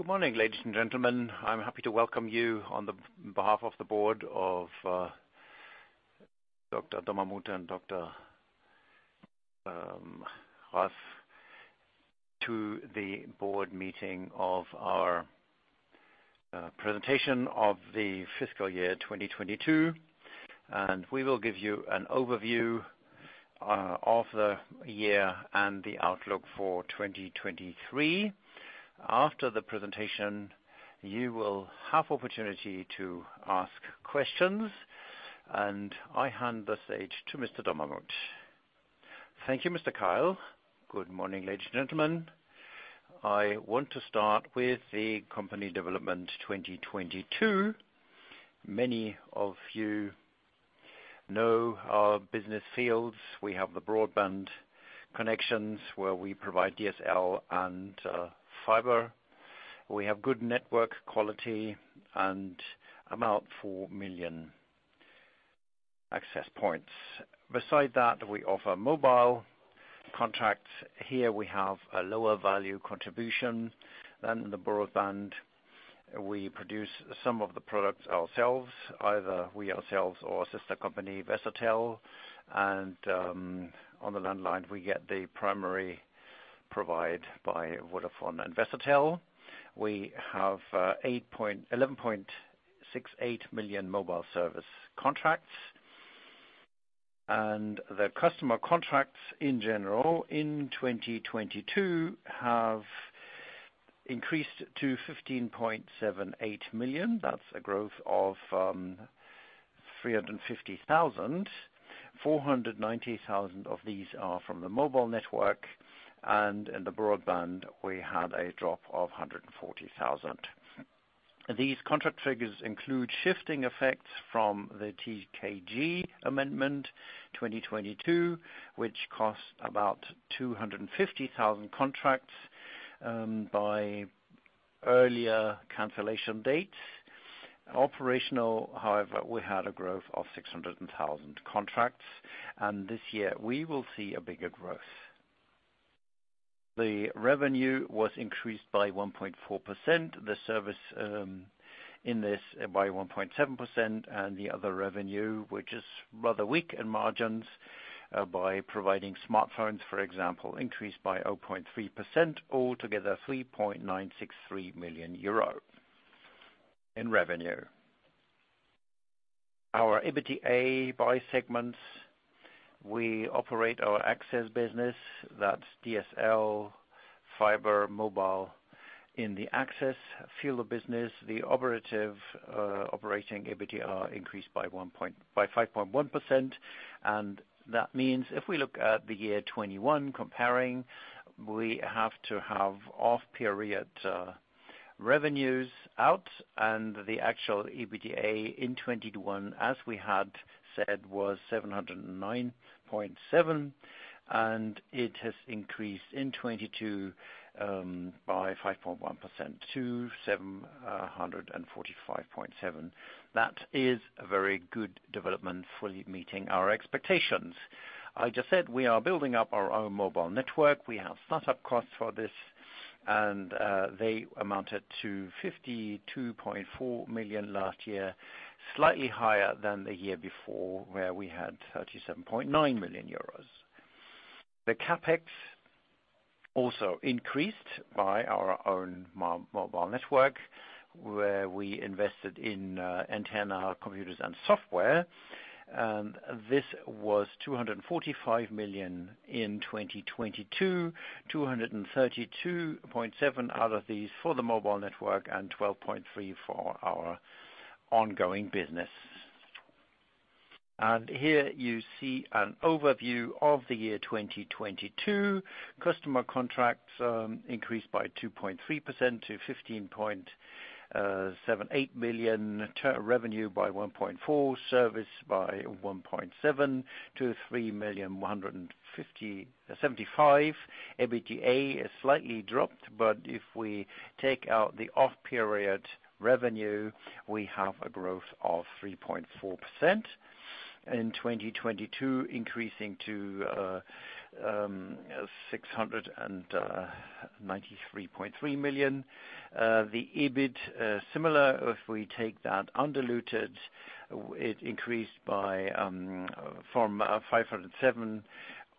Good morning, ladies and gentlemen. I'm happy to welcome you on behalf of the board of Dr. Dommermuth and Dr. Raß to the board meeting of our presentation of the fiscal year 2022, and we will give you an overview of the year and the outlook for 2023. After the presentation, you will have opportunity to ask questions, and I hand the stage to Mr. Dommermuth. Thank you, Mr. Keil. Good morning, ladies and gentlemen. I want to start with the company development 2022. Many of you know our business fields. We have the broadband connections, where we provide DSL and fiber. We have good network quality and about 4 million access points. Beside that, we offer mobile contracts. Here we have a lower value contribution than the broadband. We produce some of the products ourselves, either we ourselves or sister company, Versatel. On the landline, we get the primary provide by Vodafone and Versatel. We have 11.68 million mobile service contracts. The customer contracts in general in 2022 have increased to 15.78 million. That's a growth of 350,000. 490,000 of these are from the mobile network, and in the broadband, we had a drop of 140,000. These contract figures include shifting effects from the TKG amendment 2022, which cost about 250,000 contracts by earlier cancellation dates. Operational, however, we had a growth of 600,000 contracts. This year we will see a bigger growth. The revenue was increased by 1.4%, the service, in this by 1.7%, and the other revenue, which is rather weak in margins, by providing smartphones, for example, increased by 0.3%, all together 3,963 million euro in revenue. Our EBITDA by segments, we operate our access business, that's DSL, fiber, mobile. In the access field of business, the operative operating EBITDA increased by 5.1%, and that means if we look at the year 2021 comparing, we have to have off-period revenues out, and the actual EBITDA in 2021, as we had said, was 709.7, and it has increased in 2022 by 5.1% to 745.7. That is a very good development, fully meeting our expectations. I just said we are building up our own mobile network. We have start-up costs for this and they amounted to 52.4 million last year, slightly higher than the year before, where we had 37.9 million euros. The CapEx also increased by our own mobile network, where we invested in antenna, computers, and software. This was 245 million in 2022, 232.7 out of these for the mobile network and 12.3 for our ongoing business. Here you see an overview of the year 2022. Customer contracts increased by 2.3% to 15.78 million. Revenue by 1.4%. Service by 1.7% to EUR 3 million 150... 75. EBITDA has slightly dropped, if we take out the off-period revenue, we have a growth of 3.4% in 2022, increasing to 693.3 million. The EBIT, similar if we take that undiluted, it increased by from 507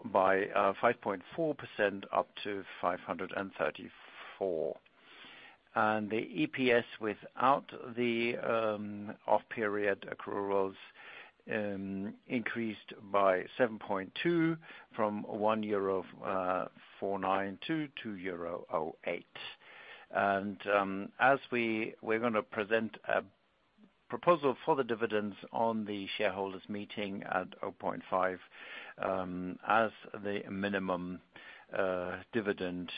by 5.4% up to 534. The EPS without the off-period accruals increased by 7.2 from 1.49 euro to euro 2.08. As we're gonna present a proposal for the dividends on the shareholders meeting at 0.5 as the minimum dividend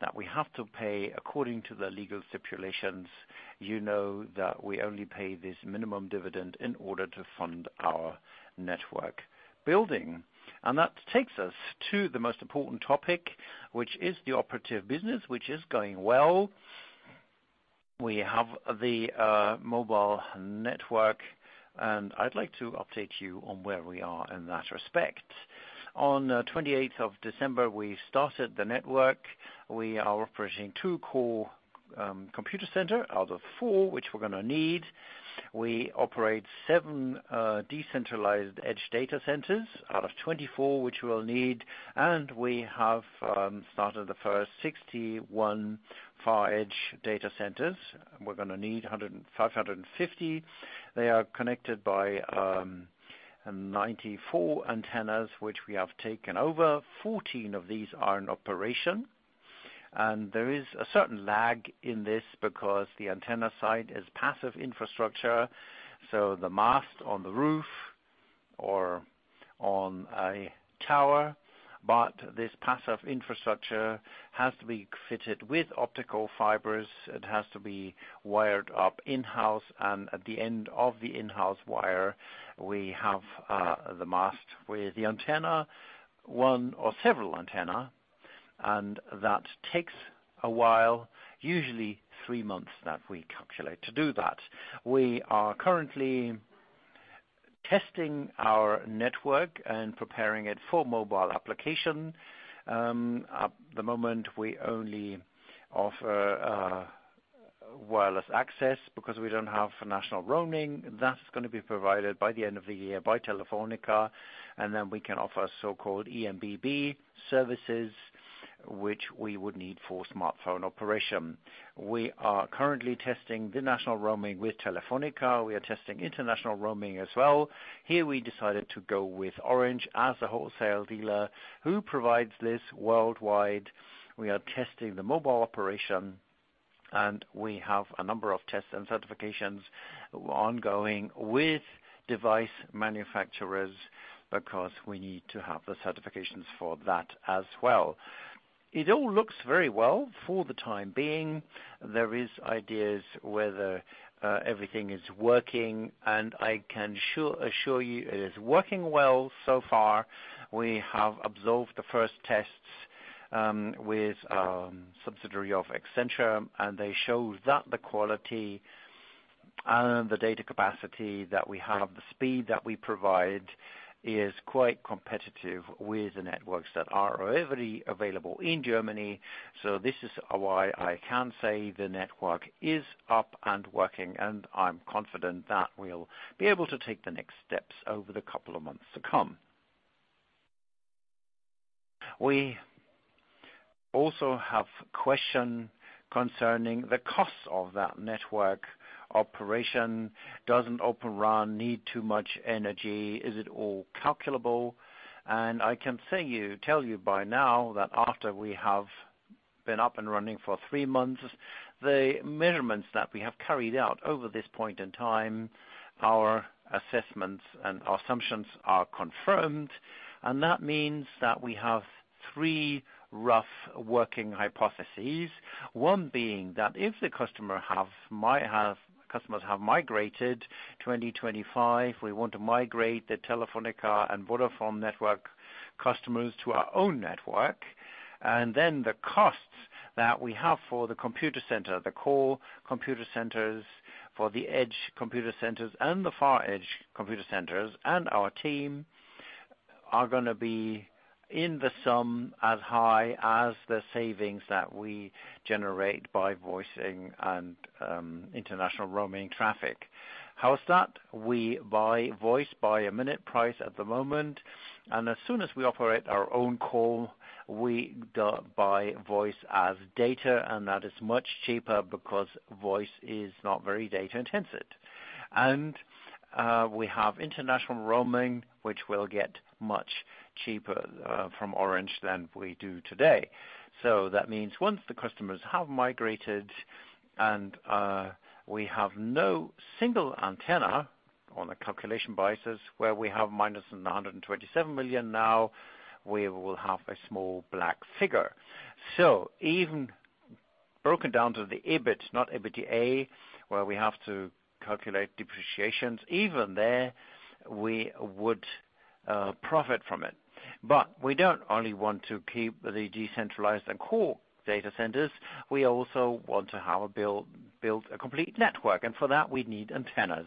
that we have to pay according to the legal stipulations. You know that we only pay this minimum dividend in order to fund our network building. That takes us to the most important topic, which is the operative business, which is going well. We have the mobile network, and I'd like to update you on where we are in that respect. On 28th of December, we started the network. We are approaching two core computer center out of four, which we're gonna need. We operate seven decentralized edge data centers out of 24, which we'll need. We have started the first 61 far edge data centers. We're gonna need 105 and 150. They are connected by 94 antennas, which we have taken over. 14 of these are in operation. There is a certain lag in this because the antenna site is passive infrastructure, so the mast on the roof or on a tower. This passive infrastructure has to be fitted with optical fibers. It has to be wired up in-house, and at the end of the in-house wire, we have the mast with the antenna, one or several antenna. That takes a while, usually three months that we calculate to do that. We are currently testing our network and preparing it for mobile application. At the moment, we only offer wireless access because we don't have national roaming. That's gonna be provided by the end of the year by Telefónica, and then we can offer so-called eMBB services, which we would need for smartphone operation. We are currently testing the national roaming with Telefónica. We are testing international roaming as well. Here we decided to go with Orange as a wholesale dealer who provides this worldwide. We are testing the mobile operation. We have a number of tests and certifications ongoing with device manufacturers because we need to have the certifications for that as well. It all looks very well for the time being. There is ideas whether everything is working, and I can assure you it is working well so far. We have absorbed the first tests with subsidiary of Accenture, and they show that the quality and the data capacity that we have, the speed that we provide is quite competitive with the networks that are already available in Germany. This is why I can say the network is up and working, and I'm confident that we'll be able to take the next steps over the couple of months to come. We also have question concerning the costs of that network operation. Doesn't Open RAN need too much energy? Is it all calculable? I can say tell you by now that after we have been up and running for three months, the measurements that we have carried out over this point in time, our assessments and assumptions are confirmed, and that means that we have three rough working hypotheses. One being that if the customers have migrated 2025, we want to migrate the Telefónica and Vodafone network customers to our own network. The costs that we have for the computer center, the core computer centers, for the edge computer centers, and the far edge computer centers, and our team are gonna be, in the sum, as high as the savings that we generate by voicing and international roaming traffic. How is that? We buy voice by a minute price at the moment. As soon as we operate our own call, we go buy voice as data. That is much cheaper because voice is not very data intensive. We have international roaming, which will get much cheaper from Orange than we do today. That means once the customers have migrated, we have no single antenna on a calculation basis where we have minus 127 million now, we will have a small black figure. Even broken down to the EBIT, not EBITDA, where we have to calculate depreciations, even there, we would profit from it. We don't only want to keep the decentralized and core data centers. We also want to build a complete network. For that, we need antennas.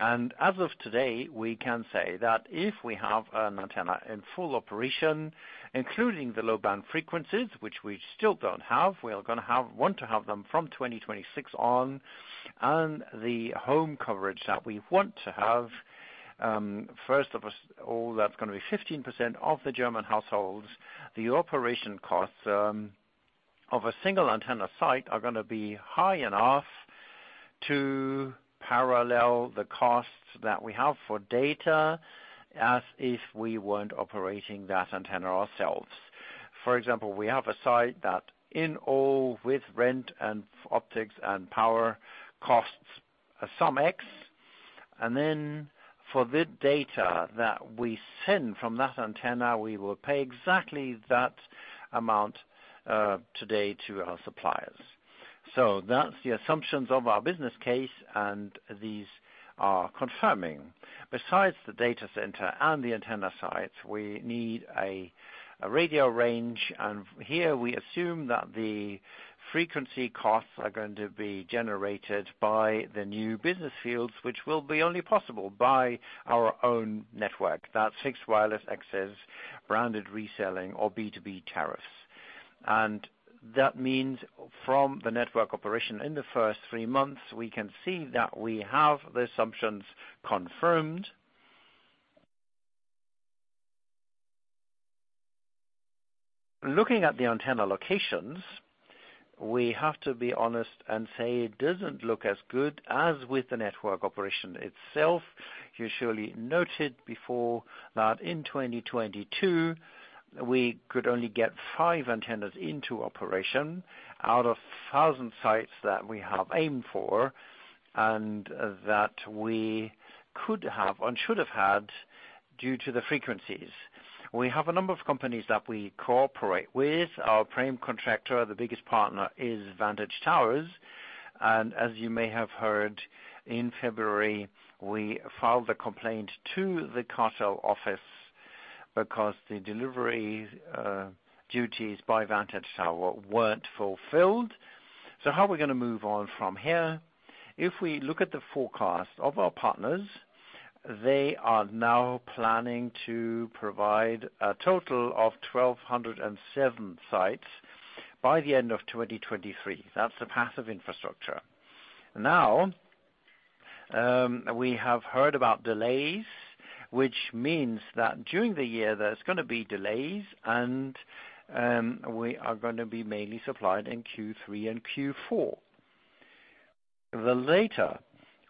As of today, we can say that if we have an antenna in full operation, including the low-band frequencies, which we still don't have, we want to have them from 2026 on, and the home coverage that we want to have, first of all, that's gonna be 15% of the German households. The operation costs of a single antenna site are gonna be high enough to parallel the costs that we have for data as if we weren't operating that antenna ourselves. For example, we have a site that in all with rent and optics and power costs a sum X. Then for the data that we send from that antenna, we will pay exactly that amount today to our suppliers. That's the assumptions of our business case, and these are confirming. Besides the data center and the antenna sites, we need a radio range. Here we assume that the frequency costs are going to be generated by the new business fields, which will be only possible by our own network. That's fixed wireless access, branded reselling or B2B tariffs. That means from the network operation in the first three months, we can see that we have the assumptions confirmed. Looking at the antenna locations, we have to be honest and say it doesn't look as good as with the network operation itself. You surely noted before that in 2022, we could only get five antennas into operation out of 1,000 sites that we have aimed for and that we could have and should have had due to the frequencies. We have a number of companies that we cooperate with. Our frame contractor, the biggest partner is Vantage Towers. As you may have heard, in February, we filed a complaint to the Cartel Office because the delivery duties by Vantage Tower weren't fulfilled. How are we gonna move on from here? If we look at the forecast of our partners, they are now planning to provide a total of 1,207 sites by the end of 2023. That's the path of infrastructure. We have heard about delays, which means that during the year there's gonna be delays and we are gonna be mainly supplied in Q3 and Q4. The later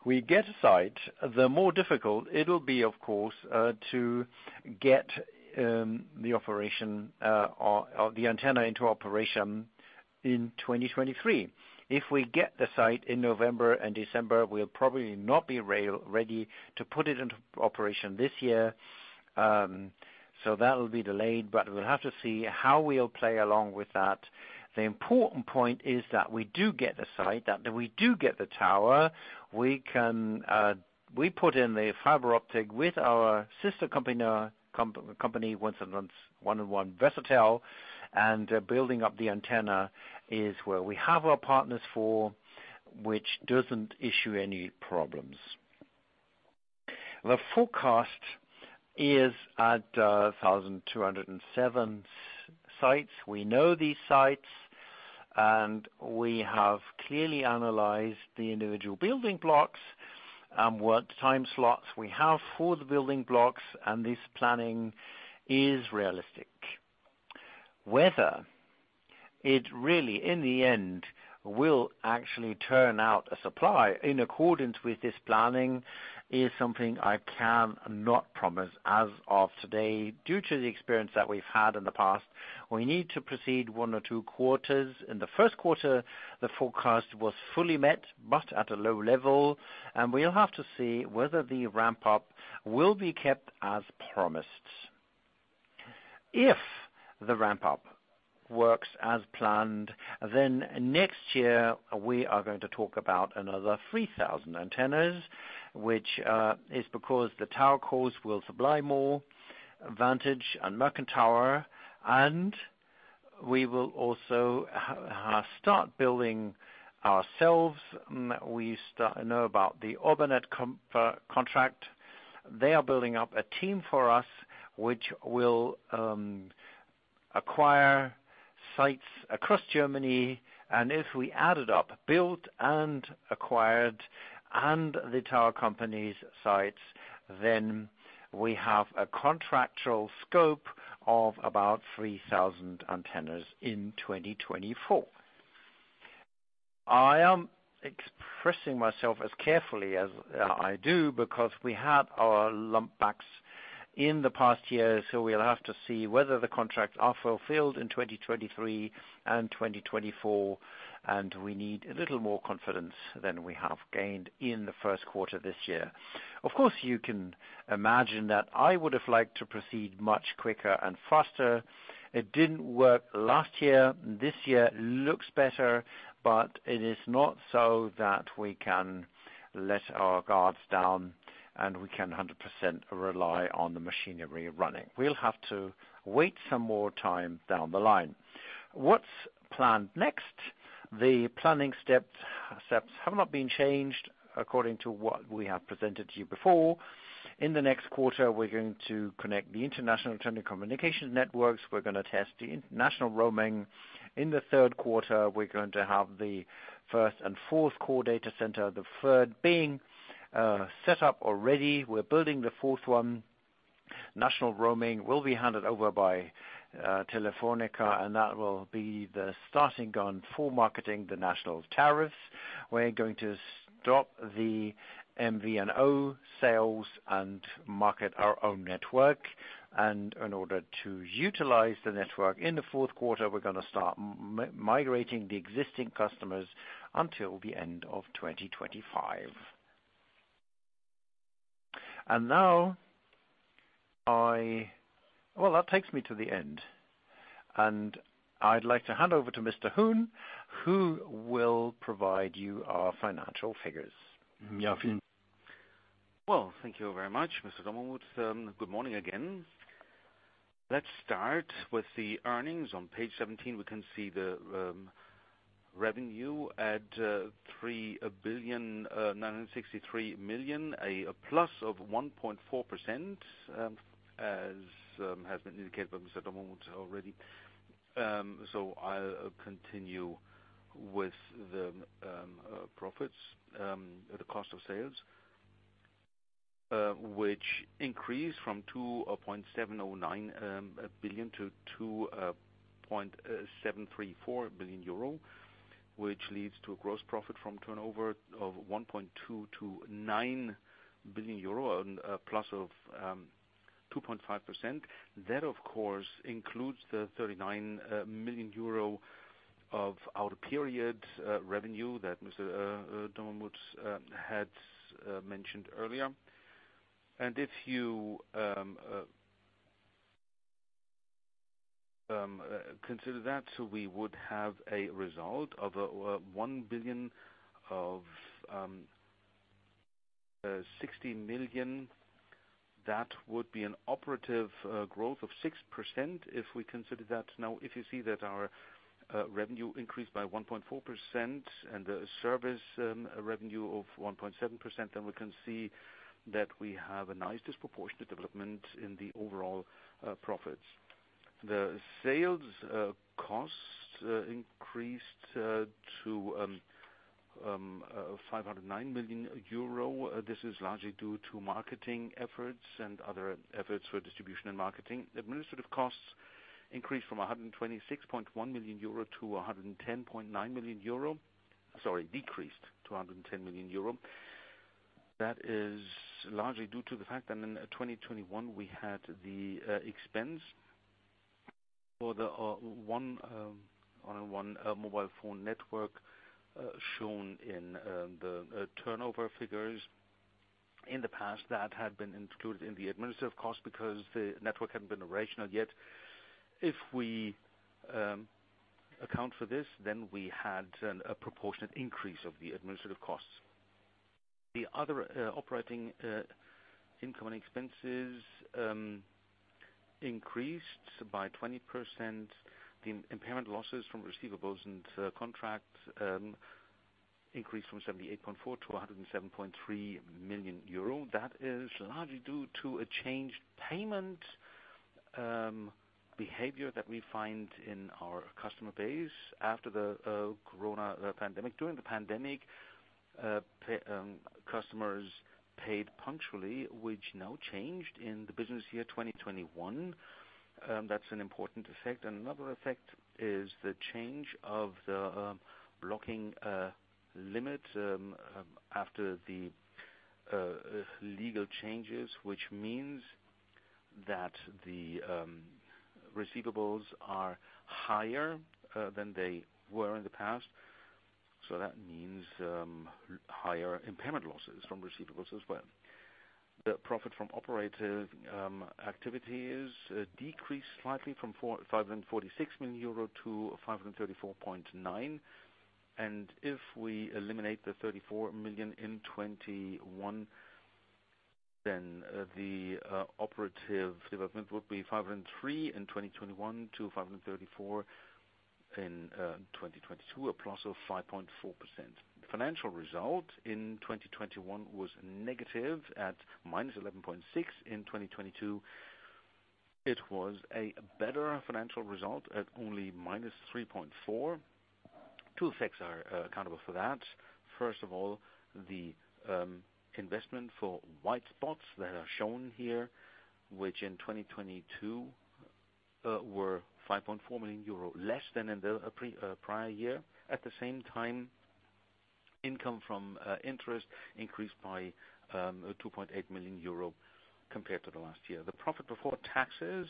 we get a site, the more difficult it'll be, of course, to get the operation or the antenna into operation in 2023. If we get the site in November and December, we'll probably not be ready to put it into operation this year. That will be delayed, but we'll have to see how we'll play along with that. The important point is that we do get the site, that we do get the tower. We can, we put in the fiber optic with our sister company, 1&1 Versatel. Building up the antenna is where we have our partners for which doesn't issue any problems. The forecast is at 1,207 sites. We know these sites, and we have clearly analyzed the individual building blocks and what time slots we have for the building blocks, and this planning is realistic. Whether it really, in the end, will actually turn out a supply in accordance with this planning is something I cannot promise as of today. Due to the experience that we've had in the past, we need to proceed one or two quarters. In the Q1, the forecast was fully met, but at a low level. We'll have to see whether the ramp-up will be kept as promised. If the ramp-up works as planned, next year we are going to talk about another 3,000 antennas, which is because the TowerCos will supply more Vantage and merchant tower. We will also start building ourselves. We know about the Eubanet contract. They are building up a team for us which will acquire sites across Germany. If we add it up, built and acquired and the tower company's sites, then we have a contractual scope of about 3,000 antennas in 2024. I am expressing myself as carefully as I do because we had our lump backs in the past year. We'll have to see whether the contracts are fulfilled in 2023 and 2024, and we need a little more confidence than we have gained in the Q1 this year. Of course, you can imagine that I would have liked to proceed much quicker and faster. It didn't work last year. This year looks better. It is not so that we can let our guards down and we can 100% rely on the machinery running. We'll have to wait some more time down the line. What's planned next? The planning steps have not been changed according to what we have presented to you before. In the next quarter, we're gonna connect the international telecommunications networks. We're gonna test the international roaming. In the Q3, we're going to have the first and fourth core data center, the third being set up already. We're building the fourth one. National roaming will be handed over by Telefonica, that will be the starting gun for marketing the national tariffs. We're going to stop the MVNO sales and market our own network. In order to utilize the network in the Q4, we're gonna start migrating the existing customers until the end of 2025. Well, that takes me to the end, I'd like to hand over to Mr. Huhn, who will provide you our financial figures. Well, thank you very much, Mr. Dommermuth. Good morning again. Let's start with the earnings. On page 17, we can see the revenue at 3.963 billion, a plus of 1.4%, as has been indicated by Mr. Dommermuth already. I'll continue with the profits, the cost of sales, which increased from 2.709 billion to 2.734 billion euro, which leads to a gross profit from turnover of 1.229 billion euro, a plus of 2.5%. That, of course, includes the 39 million euro of out of period revenue that Mr. Dommermuth had mentioned earlier. If you consider that, we would have a result of 1 billion of 60 million. That would be an operative growth of 6% if we consider that. If you see that our revenue increased by 1.4% and the service revenue of 1.7%, we can see that we have a nice disproportionate development in the overall profits. The sales costs increased to 509 million euro. This is largely due to marketing efforts and other efforts for distribution and marketing. Administrative costs increased from 126.1 million euro to 110.9 million euro. Sorry, decreased to 110 million euro. That is largely due to the fact that in 2021, we had the expense for the 1&1 mobile phone network shown in the turnover figures. In the past, that had been included in the administrative cost because the network hadn't been operational yet. If we account for this, we had a proportionate increase of the administrative costs. The other operating income and expenses increased by 20%. The impairment losses from receivables and contracts increased from 78.4 million to 107.3 million euro. That is largely due to a changed payment behavior that we find in our customer base after the corona pandemic. During the pandemic, customers paid punctually, which now changed in the business year 2021. That's an important effect. Another effect is the change of the blocking limit after the legal changes, which means that the receivables are higher than they were in the past. That means higher impairment losses from receivables as well. The profit from operative activities decreased slightly from 546 million euro to 534.9 million. If we eliminate the 34 million in 2021, the operative development would be 503 million in 2021 to 534 million in 2022, a plus of 5.4%. The financial result in 2021 was negative at -11.6 million. In 2022, it was a better financial result at only -3.4 million. Two effects are accountable for that. The investment for white spots that are shown here, which in 2022 were 5.4 million euro less than in the prior year. Income from interest increased by 2.8 million euro compared to the last year. The profit before taxes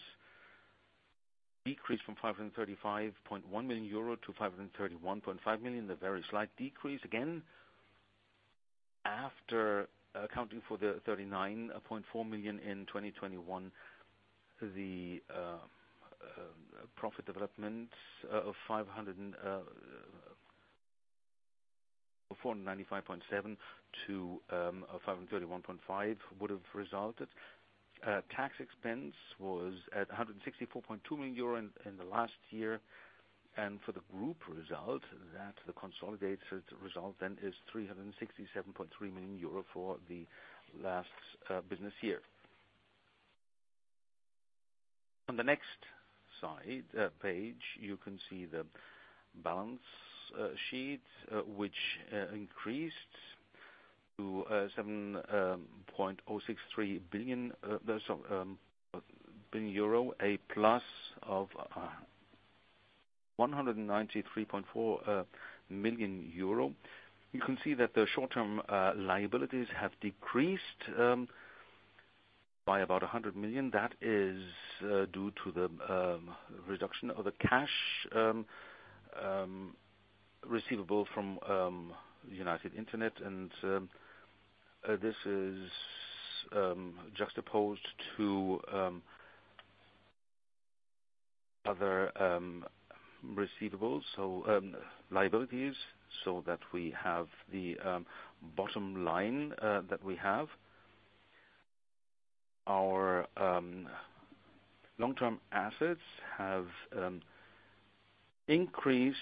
decreased from 535.1 million euro to 531.5 million, a very slight decrease. After accounting for the 39.4 million in 2021, the profit development of 495.7 million to 531.5 million would have resulted. Tax expense was at 164.2 million euro in the last year. For the group result, that the consolidated result then is 367.3 million euro for the last business year. On the next slide, page, you can see the balance sheet, which increased to 7.063 billion, a plus of 193.4 million euro. You can see that the short-term liabilities have decreased by about 100 million. That is due to the reduction of the cash receivable from United Internet. This is just opposed to other receivables. Liabilities, so that we have the bottom line that we have. Our long-term assets have increased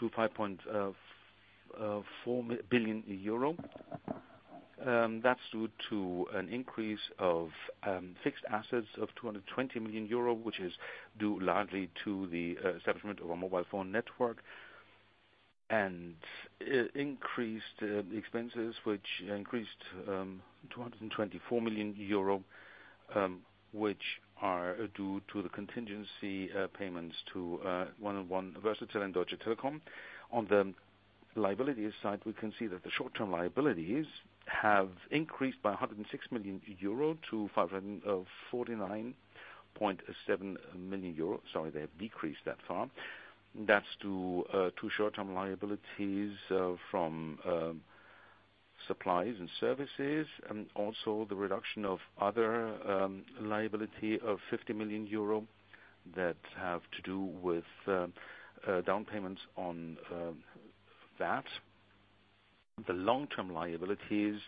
to 5.4 billion euro. That's due to an increase of fixed assets of 220 million euro, which is due largely to the establishment of a mobile phone network. Increased expenses, which increased 224 million euro, which are due to the contingency payments to 1&1 Versatel and Deutsche Telekom. On the liability side, we can see that the short-term liabilities have increased by 106 million euro to 549.7 million euro. Sorry, they have decreased that far. That's to two short-term liabilities from supplies and services, and also the reduction of other liability of 50 million euro that have to do with down payments on that. The long-term liabilities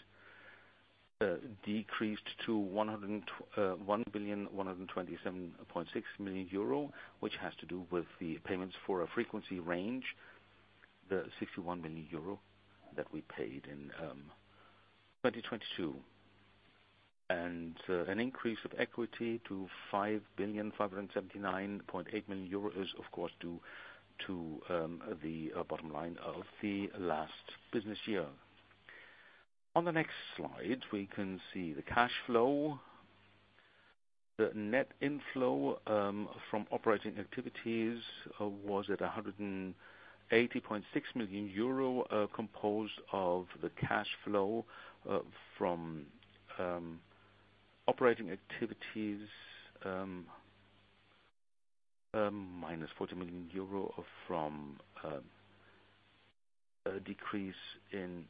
decreased to 1,127.6 million euro, which has to do with the payments for a frequency range, the 61 million euro that we paid in 2022. An increase of equity to 5,579.8 million euros is of course, due to the bottom line of the last business year. On the next slide, we can see the cash flow. The net inflow from operating activities was at 180.6 million euro, composed of the cash flow from operating activities minus EUR 40 million from a decrease in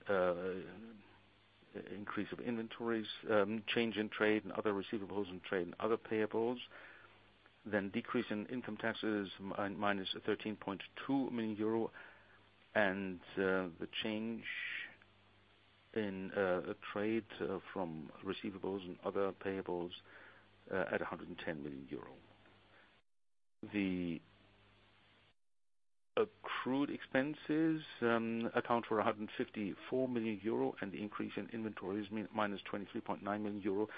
increase of inventories, change in trade and other receivables from trade and other payables. Decrease in income taxes minus 13.2 million euro and the change in trade from receivables and other payables at 110 million euro. The accrued expenses account for 154 million euro, and the increase in inventories minus 23.9 million euro,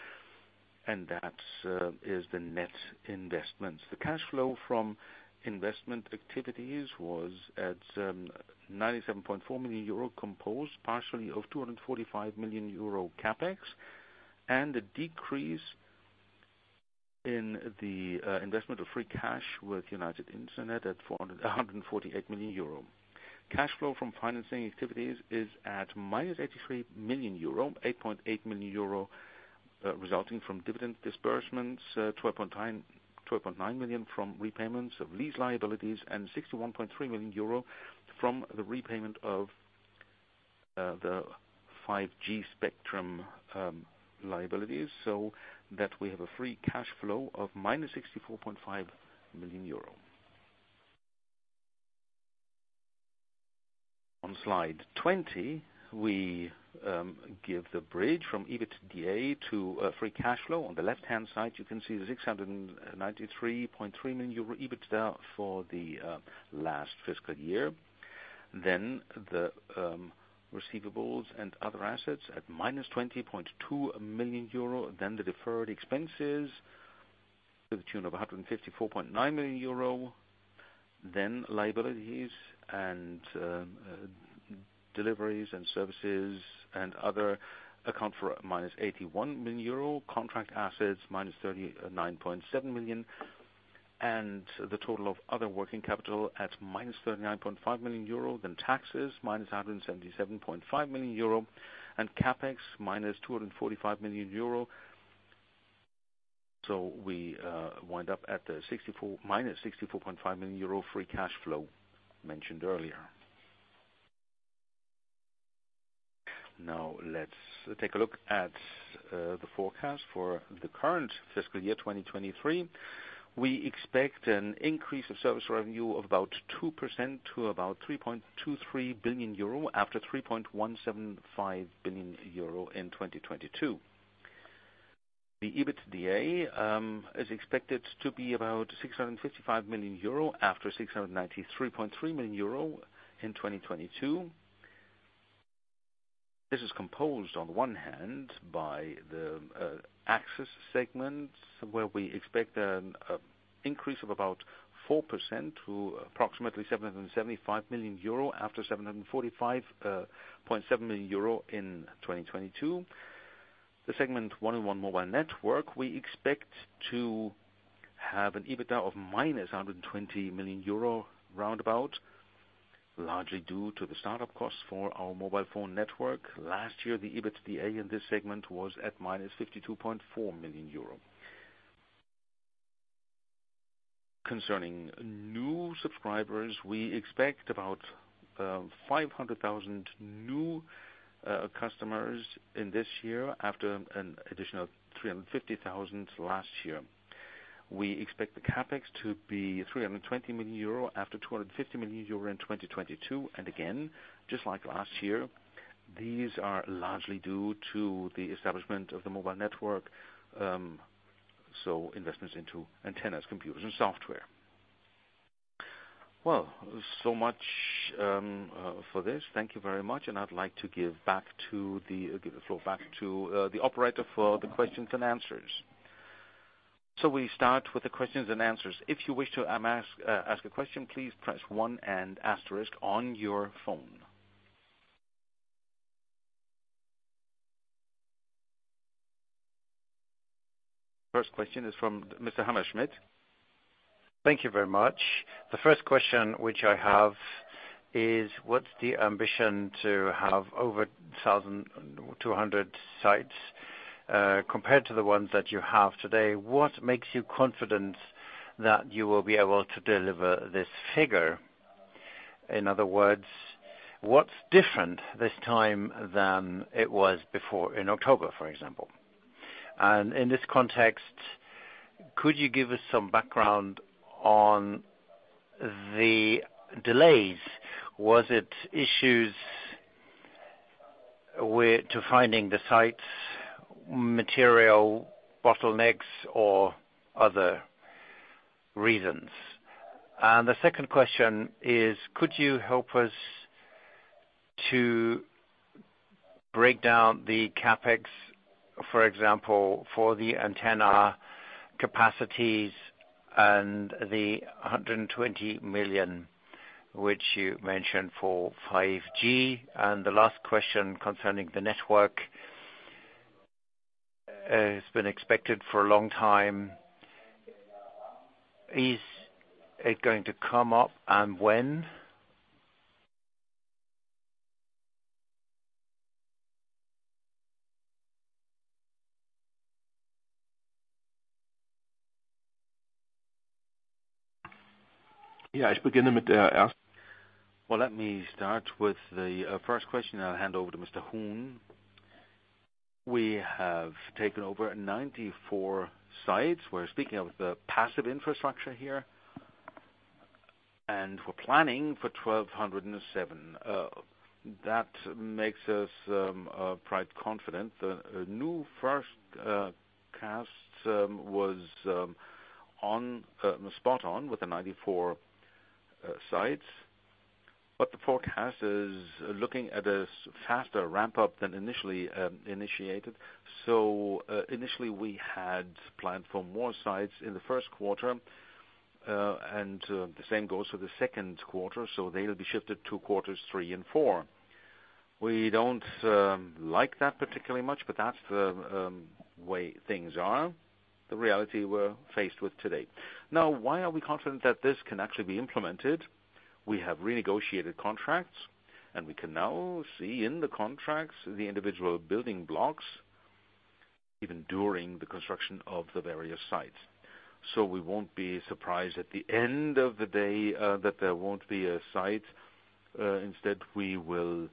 and that's is the net investments. The cash flow from investment activities was at 97.4 million euro, composed partially of 245 million euro CapEx, and the decrease in the investment of free cash with United Internet at 148 million euro. Cash flow from financing activities is at minus 83 million euro, 8.8 million euro, resulting from dividend disbursements, 12.9 million from repayments of lease liabilities, and 61.3 million euro from the repayment of the 5G spectrum liabilities, so that we have a free cash flow of minus 64.5 million euro. On slide 20, we give the bridge from EBITDA to free cash flow. On the left-hand side, you can see the 693.3 million euro EBITDA for the last fiscal year. The receivables and other assets at minus 20.2 million euro, the deferred expenses to the tune of 154.9 million euro, liabilities and deliveries and services and other account for minus 81 million euro, contract assets minus 39.7 million, the total of other working capital at minus 39.5 million euro, taxes minus 177.5 million euro, CapEx minus 245 million euro. We wind up at the minus 64.5 million euro free cash flow mentioned earlier. Let's take a look at the forecast for the current fiscal year, 2023. We expect an increase of service revenue of about 2% to about 3.23 billion euro, after 3.175 billion euro in 2022. The EBITDA is expected to be about 655 million euro, after 693.3 million euro in 2022. This is composed on one hand by the access segment, where we expect an increase of about 4% to approximately 775 million euro, after 745.7 million euro in 2022. The segment 1&1 mobile network, we expect to have an EBITDA of minus 120 million euro roundabout, largely due to the start-up costs for our mobile phone network. Last year, the EBITDA in this segment was at -52.4 million euro. Concerning new subscribers, we expect about 500,000 new customers in this year after an additional 350,000 last year. We expect the CapEx to be 320 million euro after 250 million euro in 2022. Again, just like last year, these are largely due to the establishment of the mobile network, so investments into antennas, computers, and software. Well, so much for this. Thank you very much. I'd like to give the floor back to the operator for the questions and answers. We start with the questions and answers. If you wish to ask a question, please press 1 and asterisk on your phone. First question is from Mr. Hammerschmidt. Thank you very much. The first question which I have is what's the ambition to have over 1,200 sites compared to the ones that you have today? What makes you confident that you will be able to deliver this figure? In other words, what's different this time than it was before in October, for example? In this context, could you give us some background on the delays? Was it issues with to finding the sites, material bottlenecks, or other reasons? The second question is could you help us to break down the CapEx, for example, for the antenna capacities and the 120 million which you mentioned for 5G? The last question concerning the network has been expected for a long time. Is it going to come up and when? Yeah. Well, let me start with the first question, and I'll hand over to Mr. Huhn. We have taken over 94 sites. We're speaking of the passive infrastructure here. We're planning for 1,207. That makes us quite confident. The new first cast was on spot on with the 94 sites. The forecast is looking at a faster ramp-up than initially initiated. Initially, we had planned for more sites in the Q1, and the same goes for the Q2. They'll be shifted to quarters three and four. We don't like that particularly much, but that's the way things are, the reality we're faced with today. Why are we confident that this can actually be implemented? We have renegotiated contracts, we can now see in the contracts the individual building blocks, even during the construction of the various sites. We won't be surprised at the end of the day, that there won't be a site. Instead, we will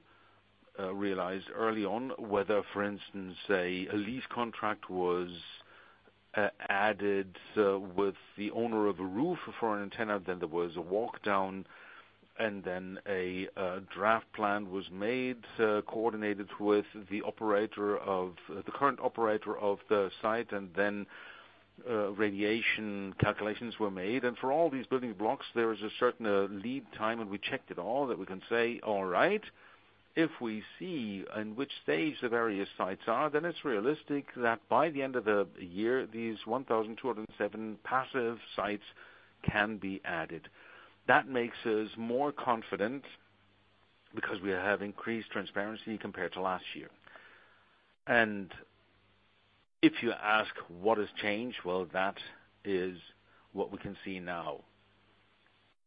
realize early on whether, for instance, a lease contract was added with the owner of a roof for an antenna, then there was a walk down, and then a draft plan was made, coordinated with the current operator of the site, and then radiation calculations were made. For all these building blocks, there is a certain lead time, and we checked it all that we can say, "All right." If we see in which stage the various sites are, then it's realistic that by the end of the year, these 1,207 passive sites can be added. That makes us more confident because we have increased transparency compared to last year. If you ask what has changed, well, that is what we can see now.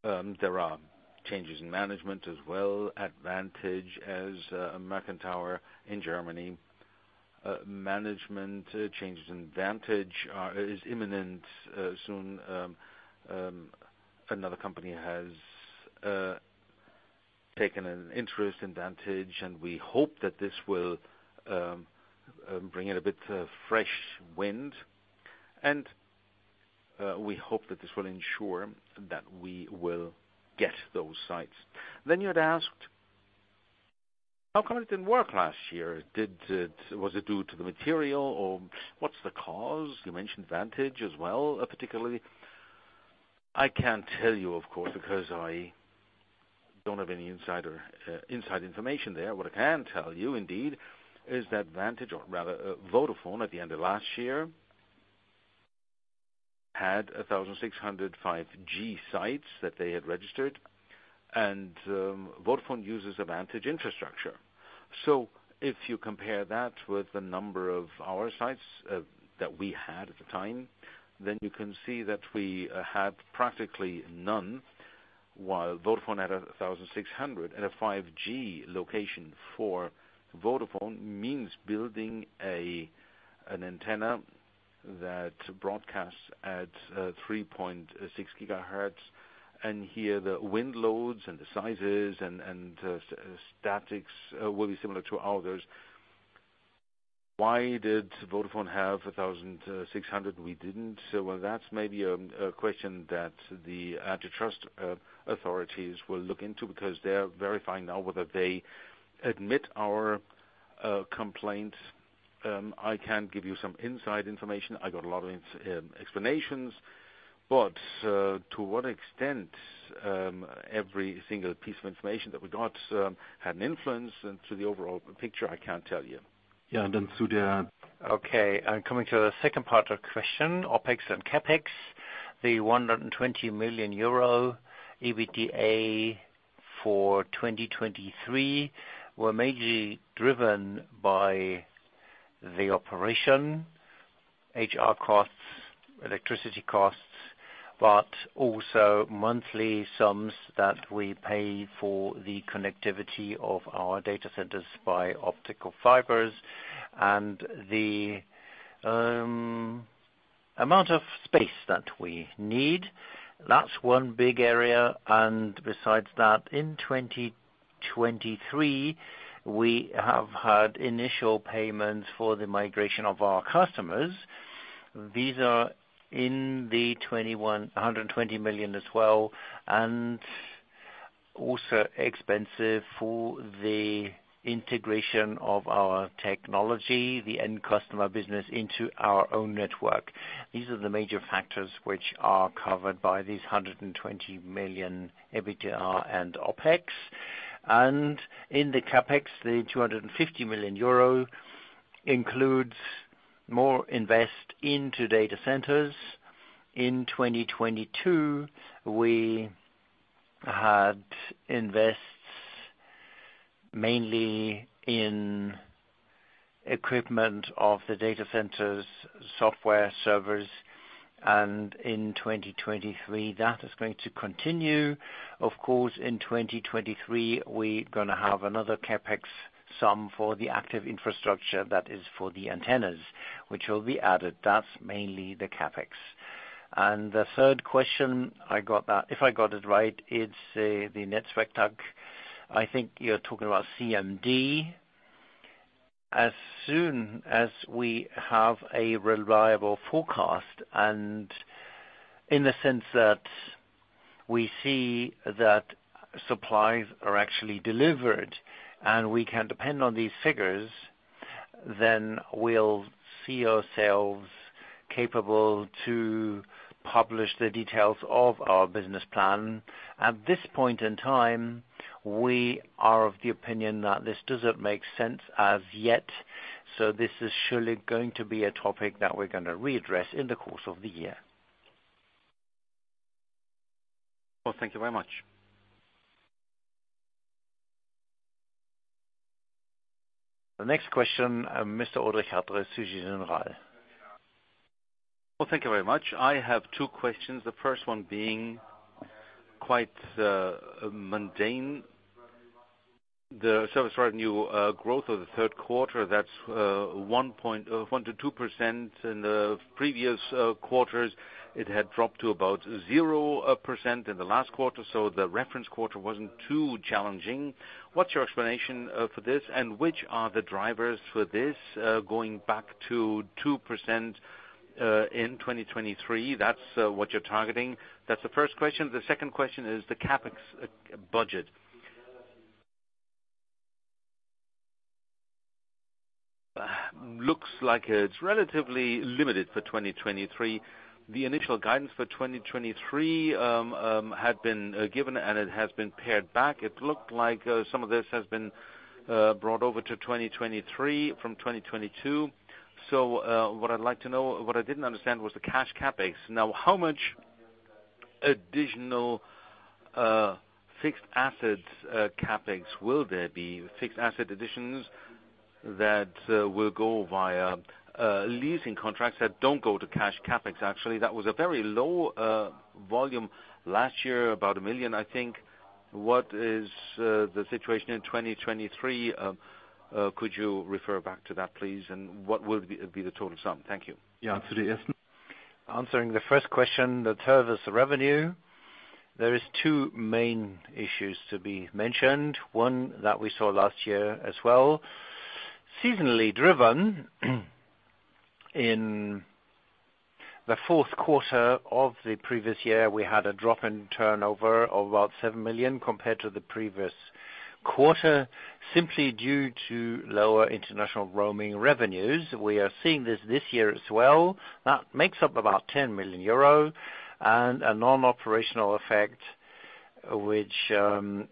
There are changes in management as well. At Vantage as American Tower in Germany, management changes in Vantage is imminent soon. Another company has taken an interest in Vantage, and we hope that this will bring in a bit of fresh wind. We hope that this will ensure that we will get those sites. You had asked, how come it didn't work last year? Was it due to the material or what's the cause? You mentioned Vantage as well, particularly. I can't tell you, of course, because I don't have any insider inside information there. What I can tell you indeed is that Vantage or rather, Vodafone at the end of last year had 1,600 5G sites that they had registered. Vodafone uses a Vantage infrastructure. If you compare that with the number of our sites that we had at the time, then you can see that we had practically none. Vodafone had 1,600 and a 5G location for Vodafone means building an antenna that broadcasts at 3.6 GHz. Here the wind loads and the sizes and statics will be similar to others. Why did Vodafone have 1,600, we didn't? That's maybe a question that the antitrust authorities will look into because they are verifying now whether they admit our complaint. I can give you some inside information. I got a lot of explanations, but to what extent every single piece of information that we got had an influence into the overall picture, I can't tell you. Yeah. Then Sudev. Okay. I'm coming to the second part of question, OpEx and CapEx. The 120 million euro EBITDA for 2023 were mainly driven by the operation, HR costs, electricity costs, also monthly sums that we pay for the connectivity of our core data centers by optical fibers and the amount of space that we need. That's one big area. Besides that, in 2023, we have had initial payments for the migration of our customers. These are in the 120 million as well, also expensive for the integration of our technology, the end customer business into our own network. These are the major factors which are covered by these 120 million EBITDA and OpEx. In the CapEx, the 250 million euro includes more invest into core data centers. In 2022, we had invests mainly in equipment of the data centers, software servers, and in 2023, that is going to continue. Of course, in 2023, we're gonna have another CapEx sum for the active infrastructure that is for the antennas, which will be added. That's mainly the CapEx. The third question I got, if I got it right, is the NetZwerkTax. I think you're talking about CMD. As soon as we have a reliable forecast, and in the sense that we see that supplies are actually delivered and we can depend on these figures, then we'll see ourselves capable to publish the details of our business plan. At this point in time, we are of the opinion that this doesn't make sense as yet. This is surely going to be a topic that we're gonna readdress in the course of the year. Well, thank you very much. The next question, Mr. Ulrich Adler, Societe Generale. Well, thank you very much. I have two questions. The first one being quite mundane. The service revenue growth of the Q3, that's 1.1%-2%. In the previous quarters, it had dropped to about 0% in the last quarter, so the reference quarter wasn't too challenging. What's your explanation for this? Which are the drivers for this going back to 2% in 2023? That's what you're targeting. That's the first question. The second question is the CapEx budget. Looks like it's relatively limited for 2023. The initial guidance for 2023 had been given and it has been pared back. It looked like some of this has been brought over to 2023 from 2022. What I'd like to know, what I didn't understand was the cash CapEx. How much additional fixed assets CapEx will there be? Fixed asset additions that will go via leasing contracts that don't go to cash CapEx? Actually, that was a very low volume last year, about 1 million, I think. What is the situation in 2023? Could you refer back to that, please? What will be the total sum? Thank you. Yeah. Answering the first question, the service revenue. There is two main issues to be mentioned. One that we saw last year as well. Seasonally driven in the Q4 of the previous year, we had a drop in turnover of about 7 million compared to the previous quarter, simply due to lower international roaming revenues. We are seeing this this year as well. That makes up about 10 million euro and a non-operational effect, which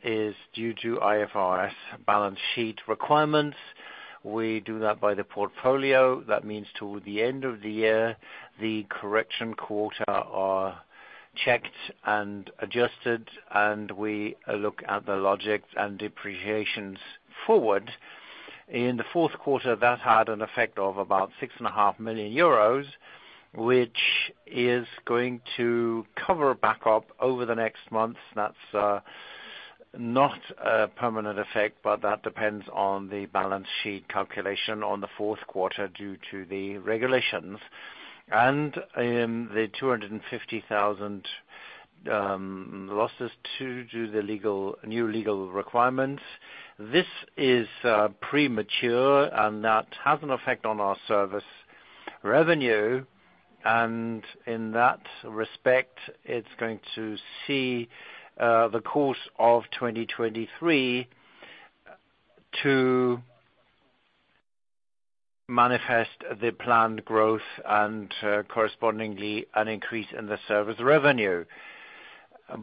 is due to IFRS balance sheet requirements. We do that by the portfolio. That means toward the end of the year, the correction quarter are checked and adjusted, and we look at the logic and depreciations forward. In the Q4, that had an effect of about 6.5 million euros, which is going to cover back up over the next months. That's not a permanent effect, that depends on the balance sheet calculation on the Q4 due to the regulations. In the 250,000 losses to do the new legal requirements. This is premature, that has an effect on our service revenue. In that respect, it's going to see the course of 2023 to manifest the planned growth and correspondingly an increase in the service revenue.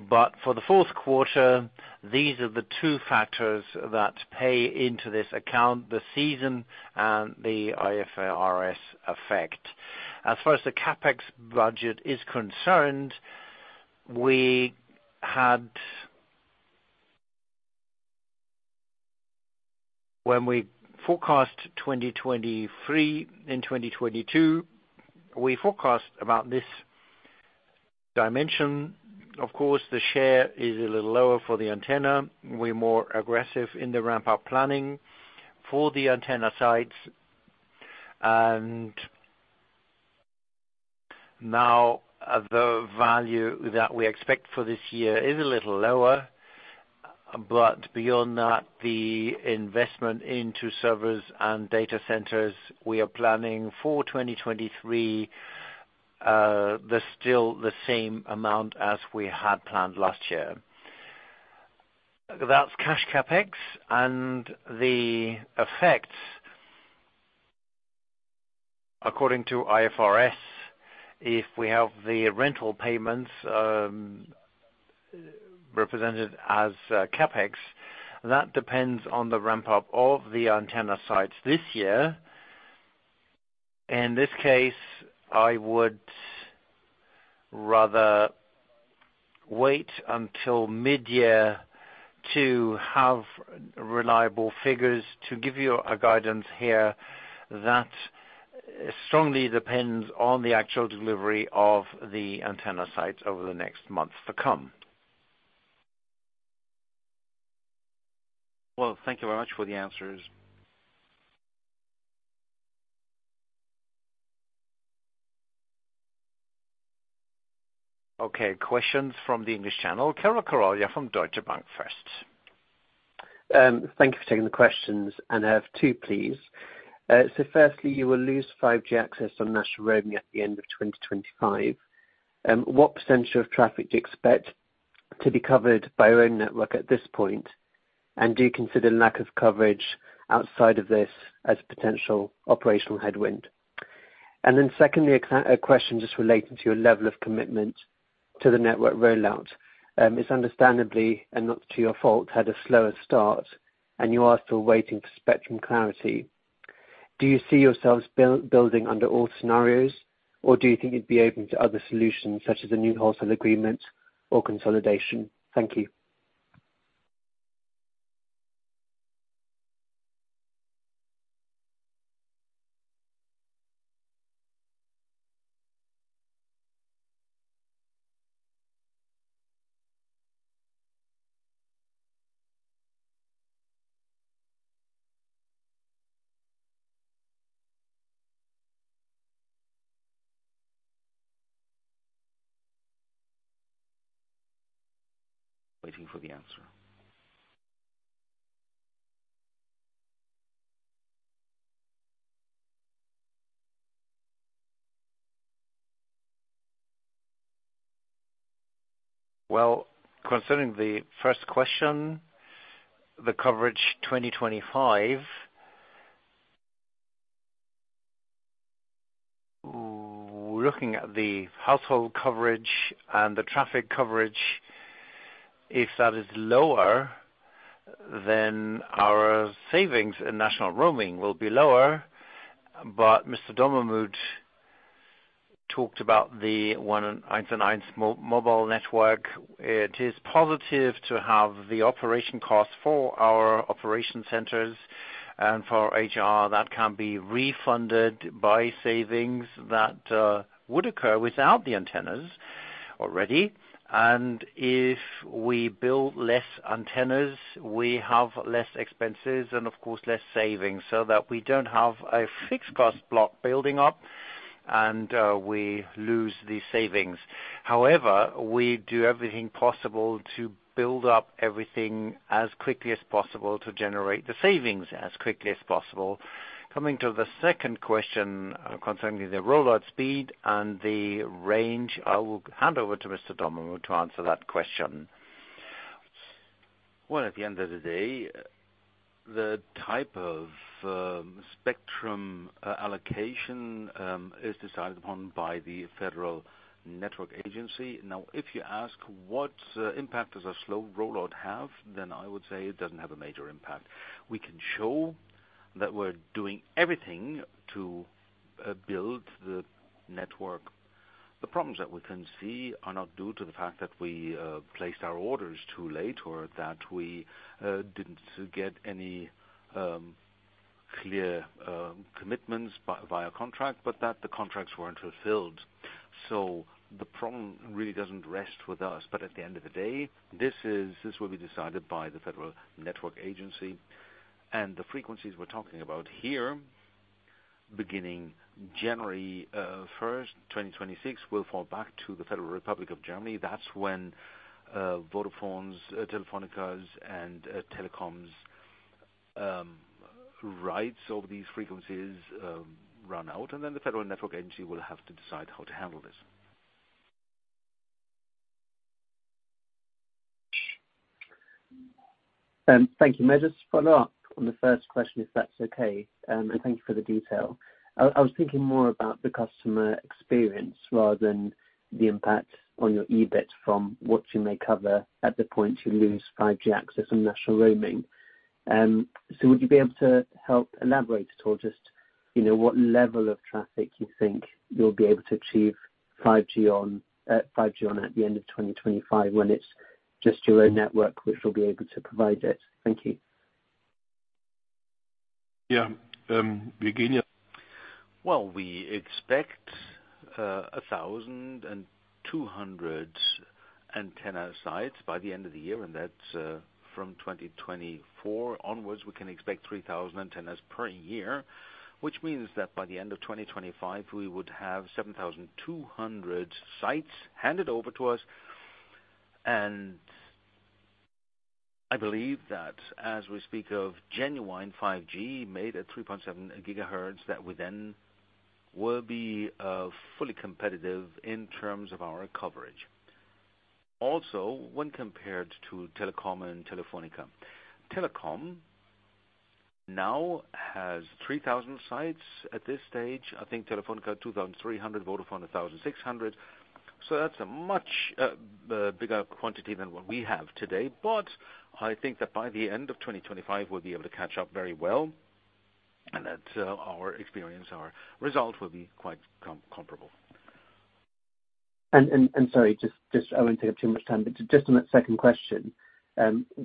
For the Q4, these are the two factors that pay into this account, the season and the IFRS effect. As far as the CapEx budget is concerned, when we forecast 2023 and 2022, we forecast about this dimension. Of course, the share is a little lower for the antenna. We're more aggressive in the ramp-up planning for the antenna sites. Now the value that we expect for this year is a little lower. Beyond that, the investment into servers and data centers we are planning for 2023, they're still the same amount as we had planned last year. That's cash CapEx and the effects according to IFRS, if we have the rental payments, represented as CapEx, that depends on the ramp-up of the antenna sites this year. In this case, I would rather wait until midyear to have reliable figures to give you a guidance here that strongly depends on the actual delivery of the antenna sites over the next months to come. Well, thank you very much for the answers. Okay. Questions from the English Channel. Carola Holze from Deutsche Bank first. Thank you for taking the questions. I have two, please. Firstly, you will lose 5G access on national roaming at the end of 2025. What percentage of traffic do you expect to be covered by your own network at this point? Do you consider lack of coverage outside of this as potential operational headwind? Secondly, a question just relating to your level of commitment to the network rollout. It's understandably, and not to your fault, had a slower start, and you are still waiting for spectrum clarity. Do you see yourselves building under all scenarios, or do you think you'd be open to other solutions, such as a new wholesale agreement or consolidation? Thank you. Waiting for the answer. Well, concerning the first question, the coverage 2025. We're looking at the household coverage and the traffic coverage. If that is lower, our savings in national roaming will be lower. Mr. Dommermuth talked about the one-nine-four-nine mobile network. It is positive to have the operation costs for our operation centers and for HR that can be refunded by savings that would occur without the antennas already. If we build less antennas, we have less expenses and of course, less savings so that we don't have a fixed cost block building up, and we lose the savings. We do everything possible to build up everything as quickly as possible to generate the savings as quickly as possible. Coming to the second question concerning the rollout speed and the range, I will hand over to Mr. Dommermuth to answer that question. Well, at the end of the day, the type of spectrum allocation is decided upon by the Federal Network Agency. If you ask what impact does a slow rollout have, then I would say it doesn't have a major impact. We can show that we're doing everything to build the network. The problems that we can see are not due to the fact that we placed our orders too late or that we didn't get any clear commitments by via contract, but that the contracts weren't fulfilled. The problem really doesn't rest with us. At the end of the day, this will be decided by the Federal Network Agency. The frequencies we're talking about here, beginning January first, 2026, will fall back to the Federal Republic of Germany. That's when, Vodafone's, Telefónica's, and, Telecom's, rights over these frequencies, run out, and then the Federal Network Agency will have to decide how to handle this. Thank you. May I just follow up on the first question, if that's okay? Thank you for the detail. I was thinking more about the customer experience rather than the impact on your EBIT from what you may cover at the point you lose 5G access and national roaming. Would you be able to help elaborate at all, just, you know, what level of traffic you think you'll be able to achieve 5G on at the end of 2025 when it's just your own network which will be able to provide it? Thank you. Yeah. Virginia. Well, we expect 1,200 antenna sites by the end of the year. That's from 2024 onwards, we can expect 3,000 antennas per year, which means that by the end of 2025 we would have 7,200 sites handed over to us. I believe that as we speak of genuine 5G made at 3.7 GHz, that we then will be fully competitive in terms of our coverage. Also, when compared to Telecom and Telefónica. Telecom now has 3,000 sites at this stage. I think Telefónica, 2,300, Vodafone, 1,600. That's a much bigger quantity than what we have today. I think that by the end of 2025 we'll be able to catch up very well, and that, our experience, our result will be quite comparable. Sorry, just I won't take up too much time, but just on that second question,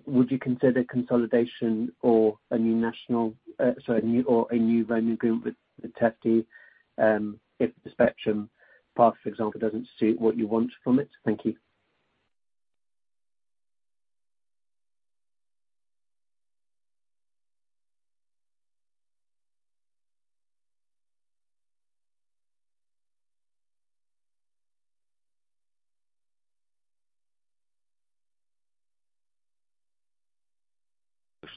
would you consider consolidation or a new roaming group with Telefónica, if the spectrum path, for example, doesn't suit what you want from it? Thank you.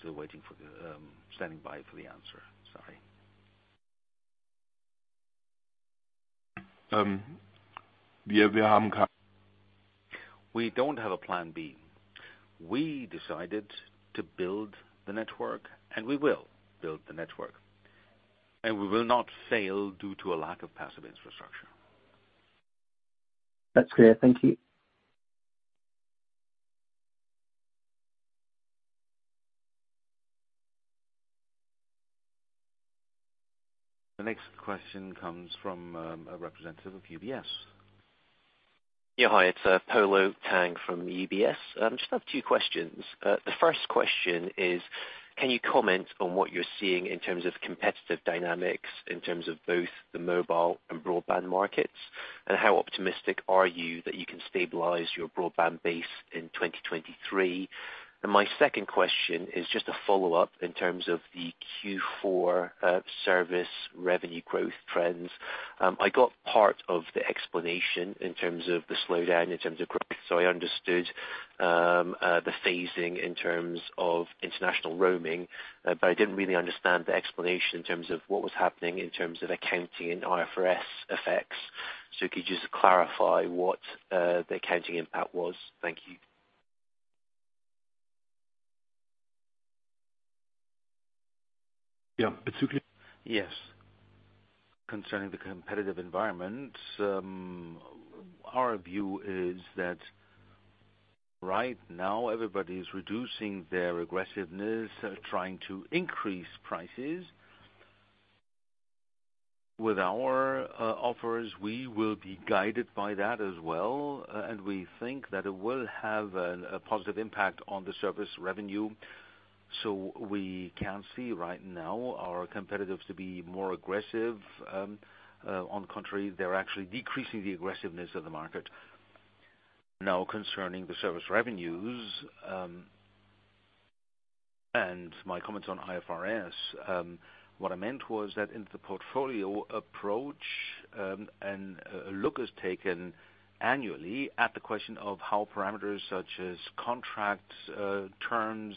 We're still waiting for the, standing by for the answer. Sorry. We don't have a Plan B. We decided to build the network. We will build the network. We will not fail due to a lack of passive infrastructure. That's clear. Thank you. The next question comes from a representative of UBS. Hi. It's Polo Tang from UBS. Just have two questions. The first question is, can you comment on what you're seeing in terms of competitive dynamics in terms of both the mobile and broadband markets? How optimistic are you that you can stabilize your broadband base in 2023? My second question is just a follow-up in terms of the Q4 service revenue growth trends. I got part of the explanation in terms of the slowdown in terms of growth. I understood the phasing in terms of international roaming, but I didn't really understand the explanation in terms of what was happening in terms of accounting and IFRS effects. Could you just clarify what the accounting impact was? Thank you. Yeah. It's okay. Yes, concerning the competitive environment, our view is that right now everybody is reducing their aggressiveness, trying to increase prices. With our offers we will be guided by that as well. We think that it will have a positive impact on the service revenue. We can't see right now our competitors to be more aggressive. On contrary, they're actually decreasing the aggressiveness of the market. Now, concerning the service revenues, my comments on IFRS. What I meant was that in the portfolio approach, a look is taken annually at the question of how parameters such as contracts, terms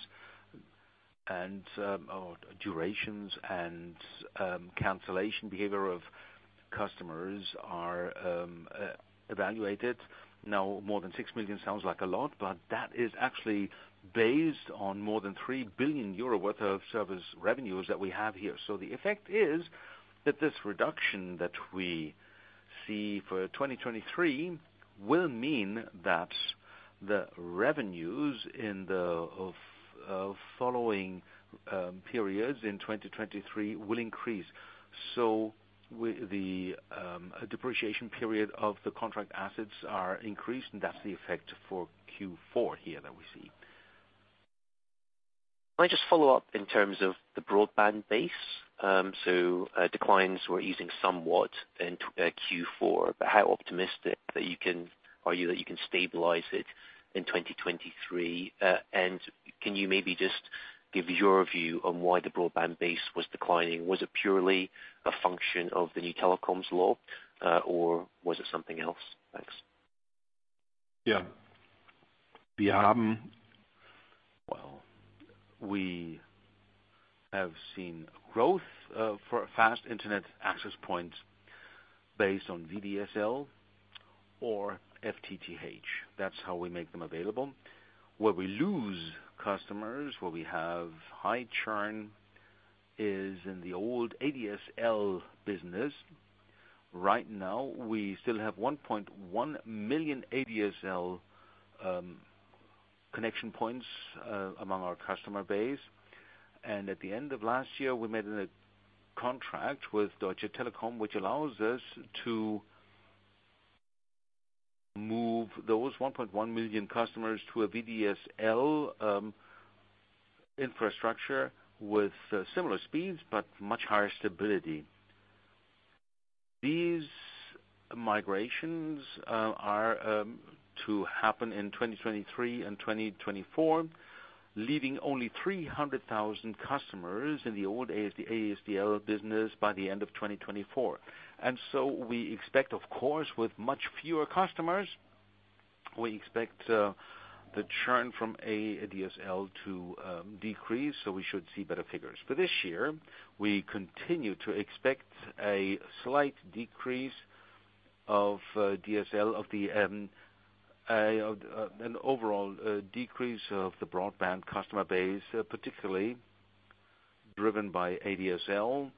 and or durations and cancellation behavior of customers are evaluated. More than 6 million sounds like a lot, but that is actually based on more than 3 billion euro worth of service revenues that we have here. The effect is that this reduction that we see for 2023 will mean that the revenues in the following periods in 2023 will increase. The depreciation period of the contract assets are increased, and that's the effect for Q4 here that we see. Can I just follow up in terms of the broadband base? Declines were easing somewhat in Q4. How optimistic are you that you can stabilize it in 2023? Can you maybe just give your view on why the broadband base was declining? Was it purely a function of the new telecoms law, or was it something else? Thanks. Yeah. We have, well, we have seen growth for fast internet access points based on VDSL or FTTH. That's how we make them available. Where we lose customers, where we have high churn is in the old ADSL business. Right now, we still have 1.1 million ADSL connection points among our customer base. At the end of last year, we made a contract with Deutsche Telekom, which allows us to move those 1.1 million customers to a VDSL infrastructure with similar speeds but much higher stability. These migrations are to happen in 2023 and 2024, leaving only 300,000 customers in the old ADSL business by the end of 2024. We expect, of course, with much fewer customers, we expect the churn from ADSL to decrease, so we should see better figures. For this year, we continue to expect a slight decrease of DSL of the overall decrease of the broadband customer base, particularly driven by ADSL.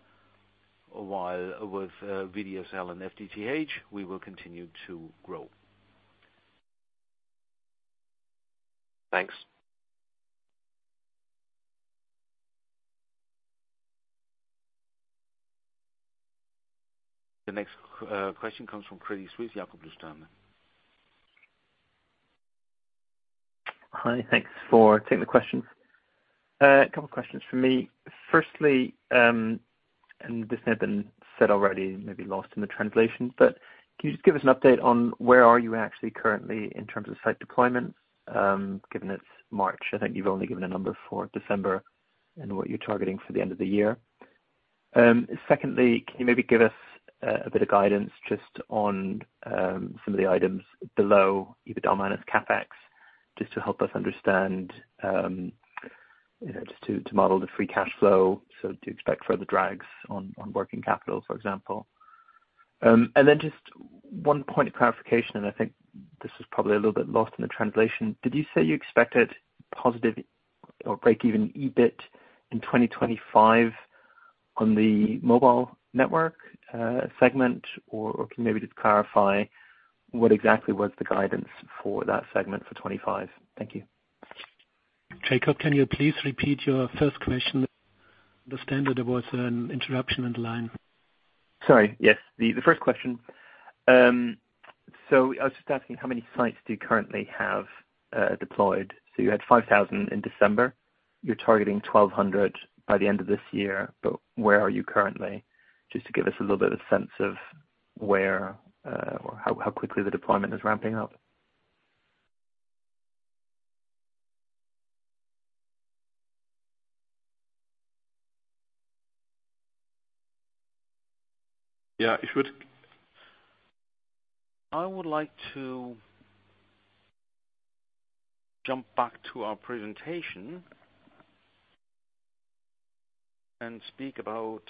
While with VDSL and FTTH, we will continue to grow. Thanks. The next question comes from Credit Suisse, Jakub Stancel. Hi. Thanks for taking the questions. A couple questions from me. Firstly, and this may have been said already, maybe lost in the translation, but can you just give us an update on where are you actually currently in terms of site deployment, given it's March? I think you've only given a number for December and what you're targeting for the end of the year. Secondly, can you maybe give us a bit of guidance just on some of the items below EBITDA minus CapEx, just to help us understand, you know, just to model the free cash flow, so to expect further drags on working capital, for example. Then just one point of clarification, and I think this is probably a little bit lost in the translation. Did you say you expected positive or break-even EBIT in 2025 on the mobile network segment? Can you maybe just clarify what exactly was the guidance for that segment for 2025? Thank you. Jakob, can you please repeat your first question? Understand there was an interruption in the line. Sorry. Yes. The first question, I was just asking how many sites do you currently have, deployed? You had 5,000 in December. You're targeting 1,200 by the end of this year. Where are you currently? Just to give us a little bit of sense of where, or how quickly the deployment is ramping up. Yeah, if we could. I would like to jump back to our presentation and speak about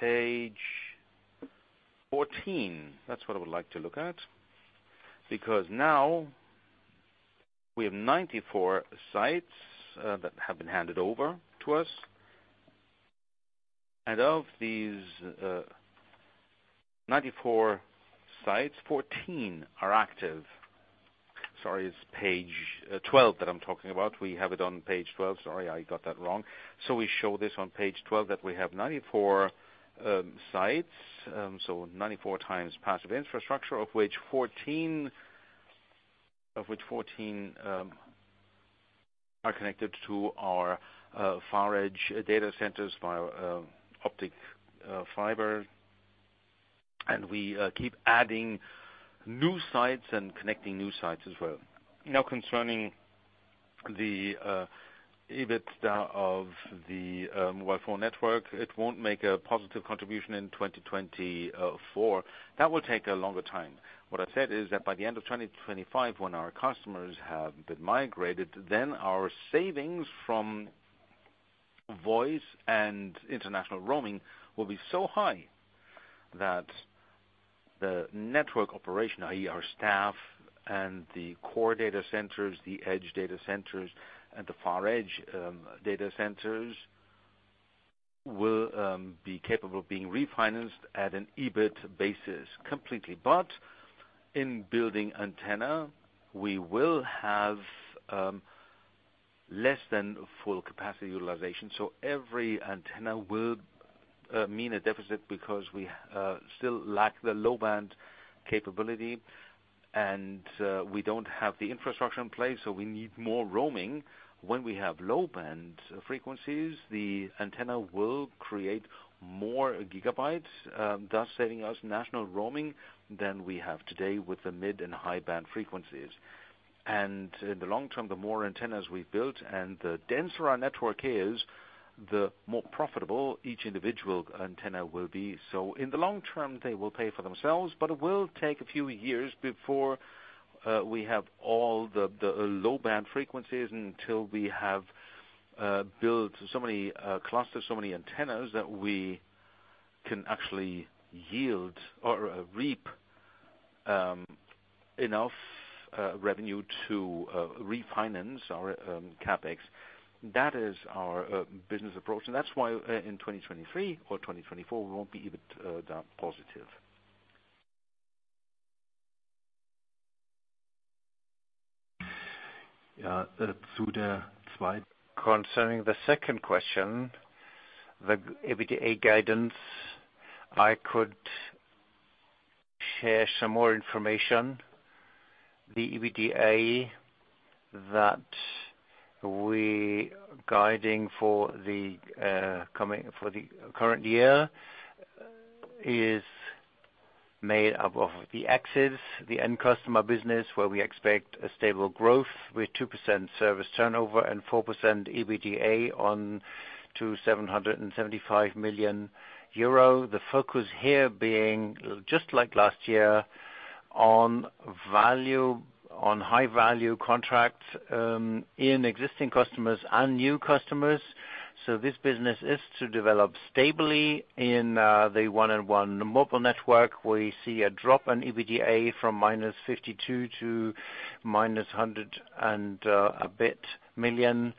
page 14. That's what I would like to look at. Now we have 94 sites that have been handed over to us. Of these 94 sites, 14 are active. Sorry, it's page 12 that I'm talking about. We have it on page 12. Sorry, I got that wrong. We show this on page 12, that we have 94 sites. 94 times passive infrastructure of which 14 are connected to our far edge data centers via optic fiber. We keep adding new sites and connecting new sites as well. Concerning the EBITDA of the mobile phone network, it won't make a positive contribution in 2024. That will take a longer time. What I said is that by the end of 2025, when our customers have been migrated, our savings from voice and international roaming will be so high that the network operation, i.e. our staff and the core data centers, the edge data centers, and the far edge, data centers Will be capable of being refinanced at an EBIT basis completely. In building antenna, we will have less than full capacity utilization. Every antenna will mean a deficit because we still lack the low-band capability, and we don't have the infrastructure in place, so we need more roaming. When we have low-band frequencies, the antenna will create more gigabytes, thus saving us national roaming than we have today with the mid- and high-band frequencies. In the long term, the more antennas we build and the denser our network is, the more profitable each individual antenna will be. In the long term, they will pay for themselves, but it will take a few years before we have all the low-band frequencies until we have built so many clusters, so many antennas that we can actually yield or reap enough revenue to refinance our CapEx. That is our business approach, and that's why in 2023 or 2024, we won't be EBITDA positive. Yeah, through the slide. Concerning the second question, the EBITDA guidance, I could share some more information. The EBITDA that we guiding for the current year is made up of the access, the end customer business, where we expect a stable growth with 2% service turnover and 4% EBITDA on to 775 million euro. The focus here being just like last year on value, on high-value contracts, in existing customers and new customers. This business is to develop stably. In the 1&1 mobile network, we see a drop in EBITDA from -52 million to -100 and a bit million.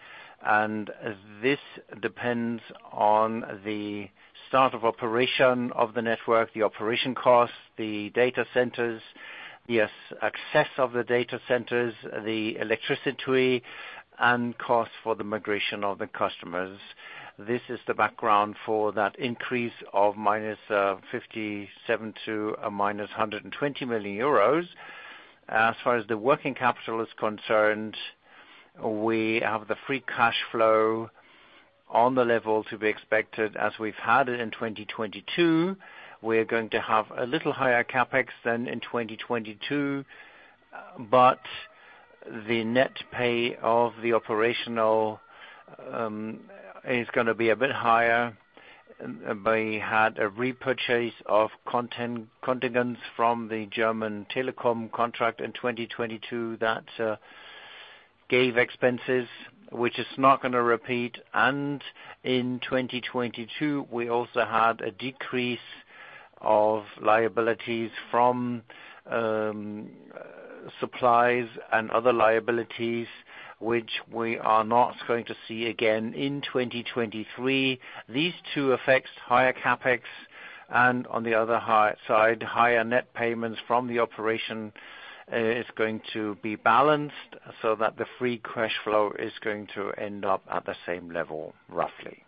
This depends on the start of operation of the network, the operation costs, the data centers, the access of the data centers, the electricity and cost for the migration of the customers. This is the background for that increase of minus 57 million to a minus 120 million euros. As far as the working capital is concerned, we have the free cash flow on the level to be expected as we've had it in 2022. We're going to have a little higher CapEx than in 2022, but the net pay of the operational is going to be a bit higher. We had a repurchase of contingents from the Deutsche Telekom contract in 2022 that gave expenses, which is not going to repeat. In 2022, we also had a decrease of liabilities from supplies and other liabilities, which we are not going to see again in 2023. These two affects higher CapEx, and on the other side, higher net payments from the operation, is going to be balanced so that the free cash flow is going to end up at the same level, roughly.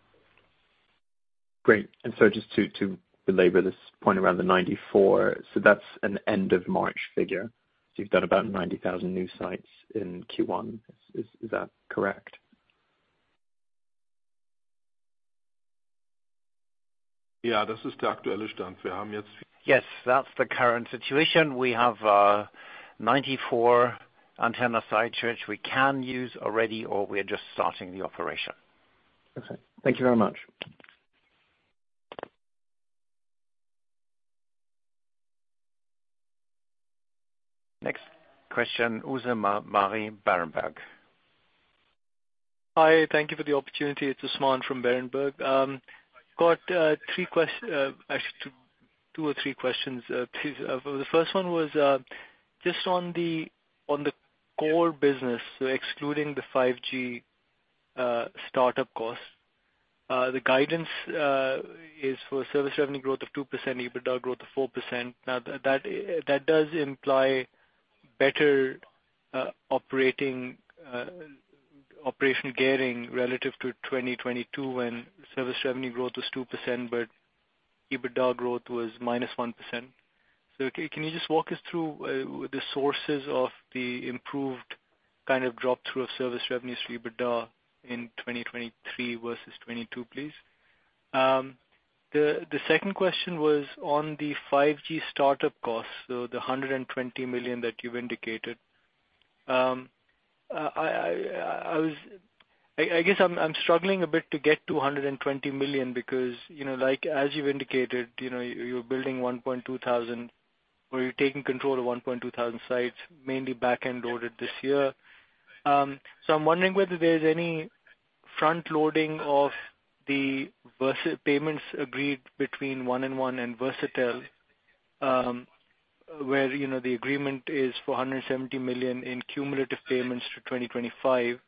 Great. just to belabor this point around the 94. That's an end of March figure. You've done about 90,000 new sites in Q1. Is that correct? Yes, that's the current situation. We have, 94 antenna sites which we can use already or we're just starting the operation. Okay. Thank you very much. Next question, Usman Ghazi, Berenberg. Hi. Thank you for the opportunity. It's Usman from Berenberg. Got actually two or three questions, please. The first one was just on the core business, so excluding the 5G startup cost. The guidance is for service revenue growth of 2%, EBITDA growth of 4%. That does imply better operating operation gearing relative to 2022 when service revenue growth was 2%, but EBITDA growth was -1%. Can you just walk us through the sources of the improved kind of drop through of service revenues to EBITDA in 2023 versus 22, please? The second question was on the 5G startup costs, so the 120 million that you've indicated. I guess I'm struggling a bit to get to 120 million because, you know, like, as you've indicated, you know, you're building 1,200 or you're taking control of 1,200 sites, mainly back-end loaded this year. I'm wondering whether there's any front loading of the Versatel payments agreed between 1&1 and Versatel. Where, you know, the agreement is for 170 million in cumulative payments to 2025.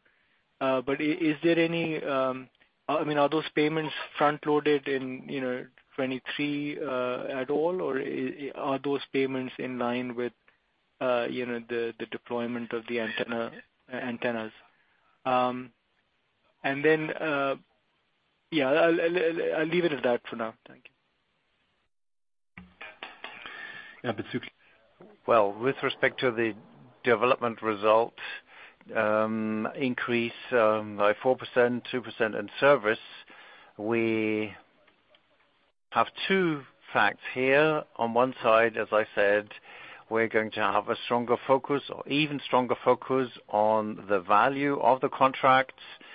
Is there any, I mean, are those payments front-loaded in, you know, 2023, at all? Are those payments in line with, you know, the deployment of the antennas? Yeah, I'll leave it at that for now. Thank you. Yeah, Ushdev Singh. With respect to the development result, increase by 4%, 2% in service, we have two facts here. On one side, as I said, we're going to have a stronger focus or even stronger focus on the value of the contracts, and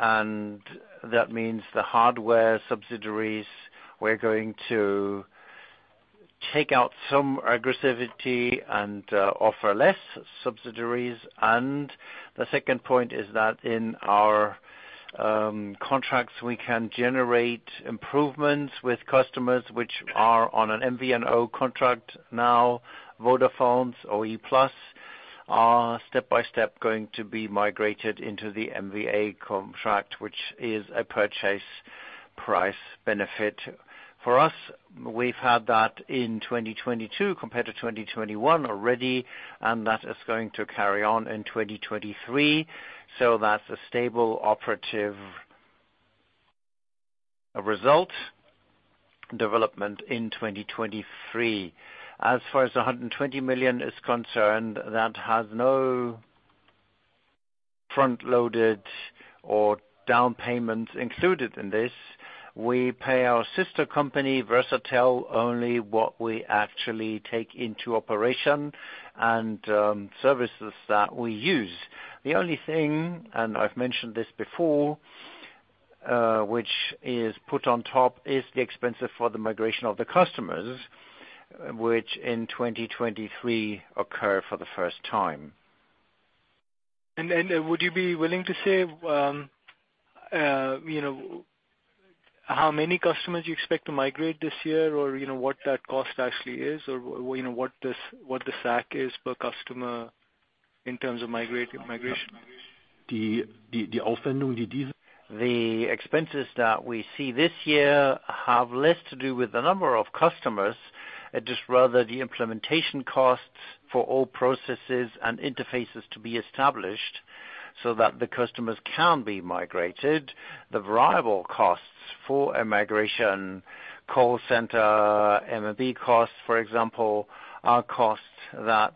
that means the hardware subsidiaries, we're going to take out some aggressivity and offer less subsidiaries. The second point is that in our contracts, we can generate improvements with customers which are on an MVNO contract now. Vodafone or E-Plus are step-by-step going to be migrated into the MVA contract, which is a purchase price benefit. For us, we've had that in 2022 compared to 2021 already, and that is going to carry on in 2023. That's a stable operative result development in 2023. As far as 120 million is concerned, that has no front-loaded or down payment included in this. We pay our sister company, Versatel, only what we actually take into operation and services that we use. The only thing, and I've mentioned this before, which is put on top is the expenses for the migration of the customers, which in 2023 occur for the first time. Would you be willing to say, you know, how many customers you expect to migrate this year or, you know, what that cost actually is or, you know, what this, what the sack is per customer in terms of migrating, migration? The. The expenses that we see this year have less to do with the number of customers, just rather the implementation costs for all processes and interfaces to be established so that the customers can be migrated. The variable costs for a migration call center, eMBB costs, for example, are costs that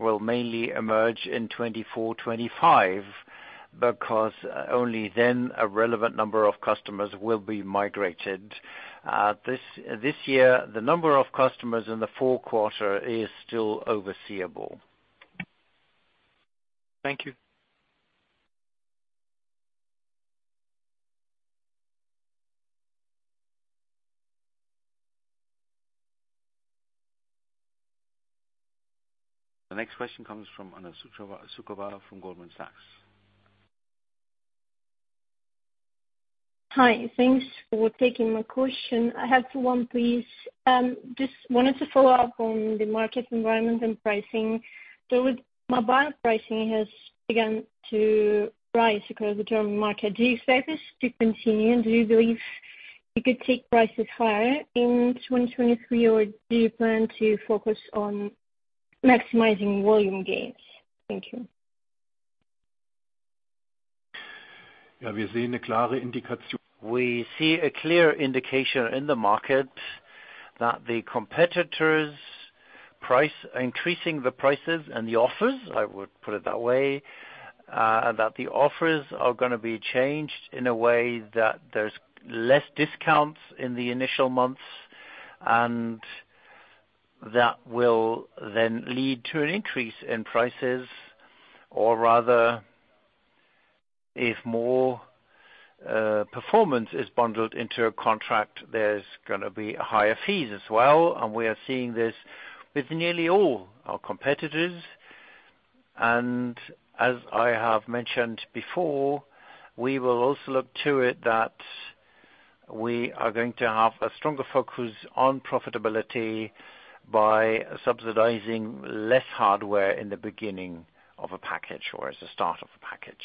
will mainly emerge in 2024, 2025, because only then a relevant number of customers will be migrated. this year, the number of customers in the Q4 is still overseeable. Thank you. The next question comes from Anna-Maria Skoglund from Goldman Sachs. Hi. Thanks for taking my question. I have one, please. Just wanted to follow up on the market environment and pricing. With mobile pricing has begun to rise across the German market, do you expect this to continue? Do you believe you could take prices higher in 2023 or do you plan to focus on maximizing volume gains? Thank you. We see a clear indication in the market that the competitors price, increasing the prices and the offers, I would put it that way, that the offers are gonna be changed in a way that there's less discounts in the initial months, that will then lead to an increase in prices or rather if more, performance is bundled into a contract, there's gonna be higher fees as well. We are seeing this with nearly all our competitors. As I have mentioned before, we will also look to it that we are going to have a stronger focus on profitability by subsidizing less hardware in the beginning of a package or as a start of a package.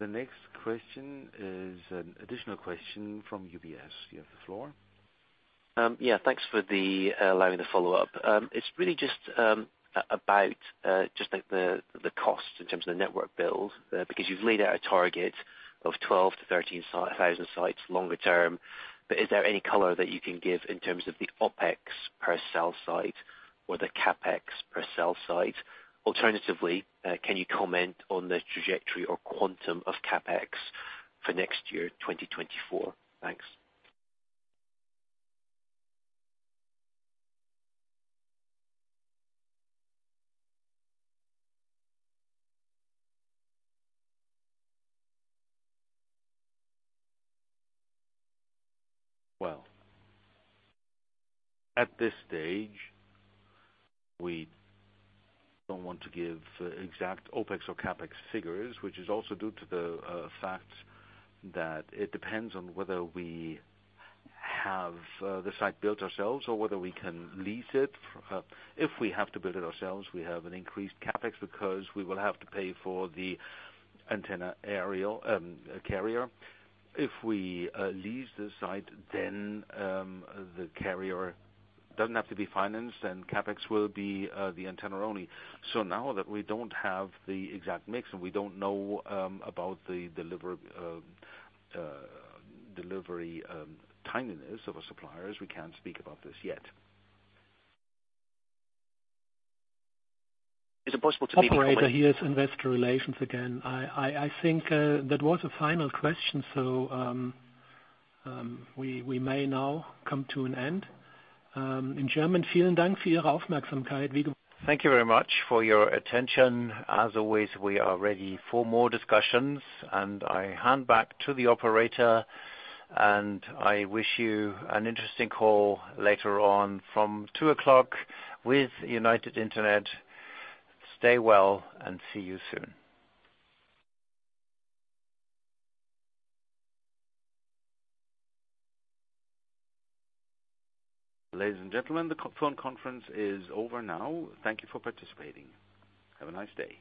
The next question is an additional question from UBS. You have the floor. Yeah, thanks for the, allowing the follow-up. It's really just about just like the cost in terms of the network build, because you've laid out a target of 12,000-13,000 sites longer term. Is there any color that you can give in terms of the OpEx per cell site or the CapEx per cell site? Alternatively, can you comment on the trajectory or quantum of CapEx for next year, 2024? Thanks. At this stage, we don't want to give exact OpEx or CapEx figures, which is also due to the fact that it depends on whether we have the site built ourselves or whether we can lease it. If we have to build it ourselves, we have an increased CapEx because we will have to pay for the antenna aerial carrier. If we lease the site, then the carrier doesn't have to be financed and CapEx will be the antenna only. Now that we don't have the exact mix and we don't know about the delivery timeliness of a supplier, we can't speak about this yet. Is it possible to make a comment? Operator, here's investor relations again. I think that was the final question, so we may now come to an end. in German. Thank you very much for your attention. As always, we are ready for more discussions. I hand back to the operator. I wish you an interesting call later on from 2:00 P.M. with United Internet. Stay well and see you soon. Ladies and gentlemen, the conference is over now. Thank you for participating. Have a nice day.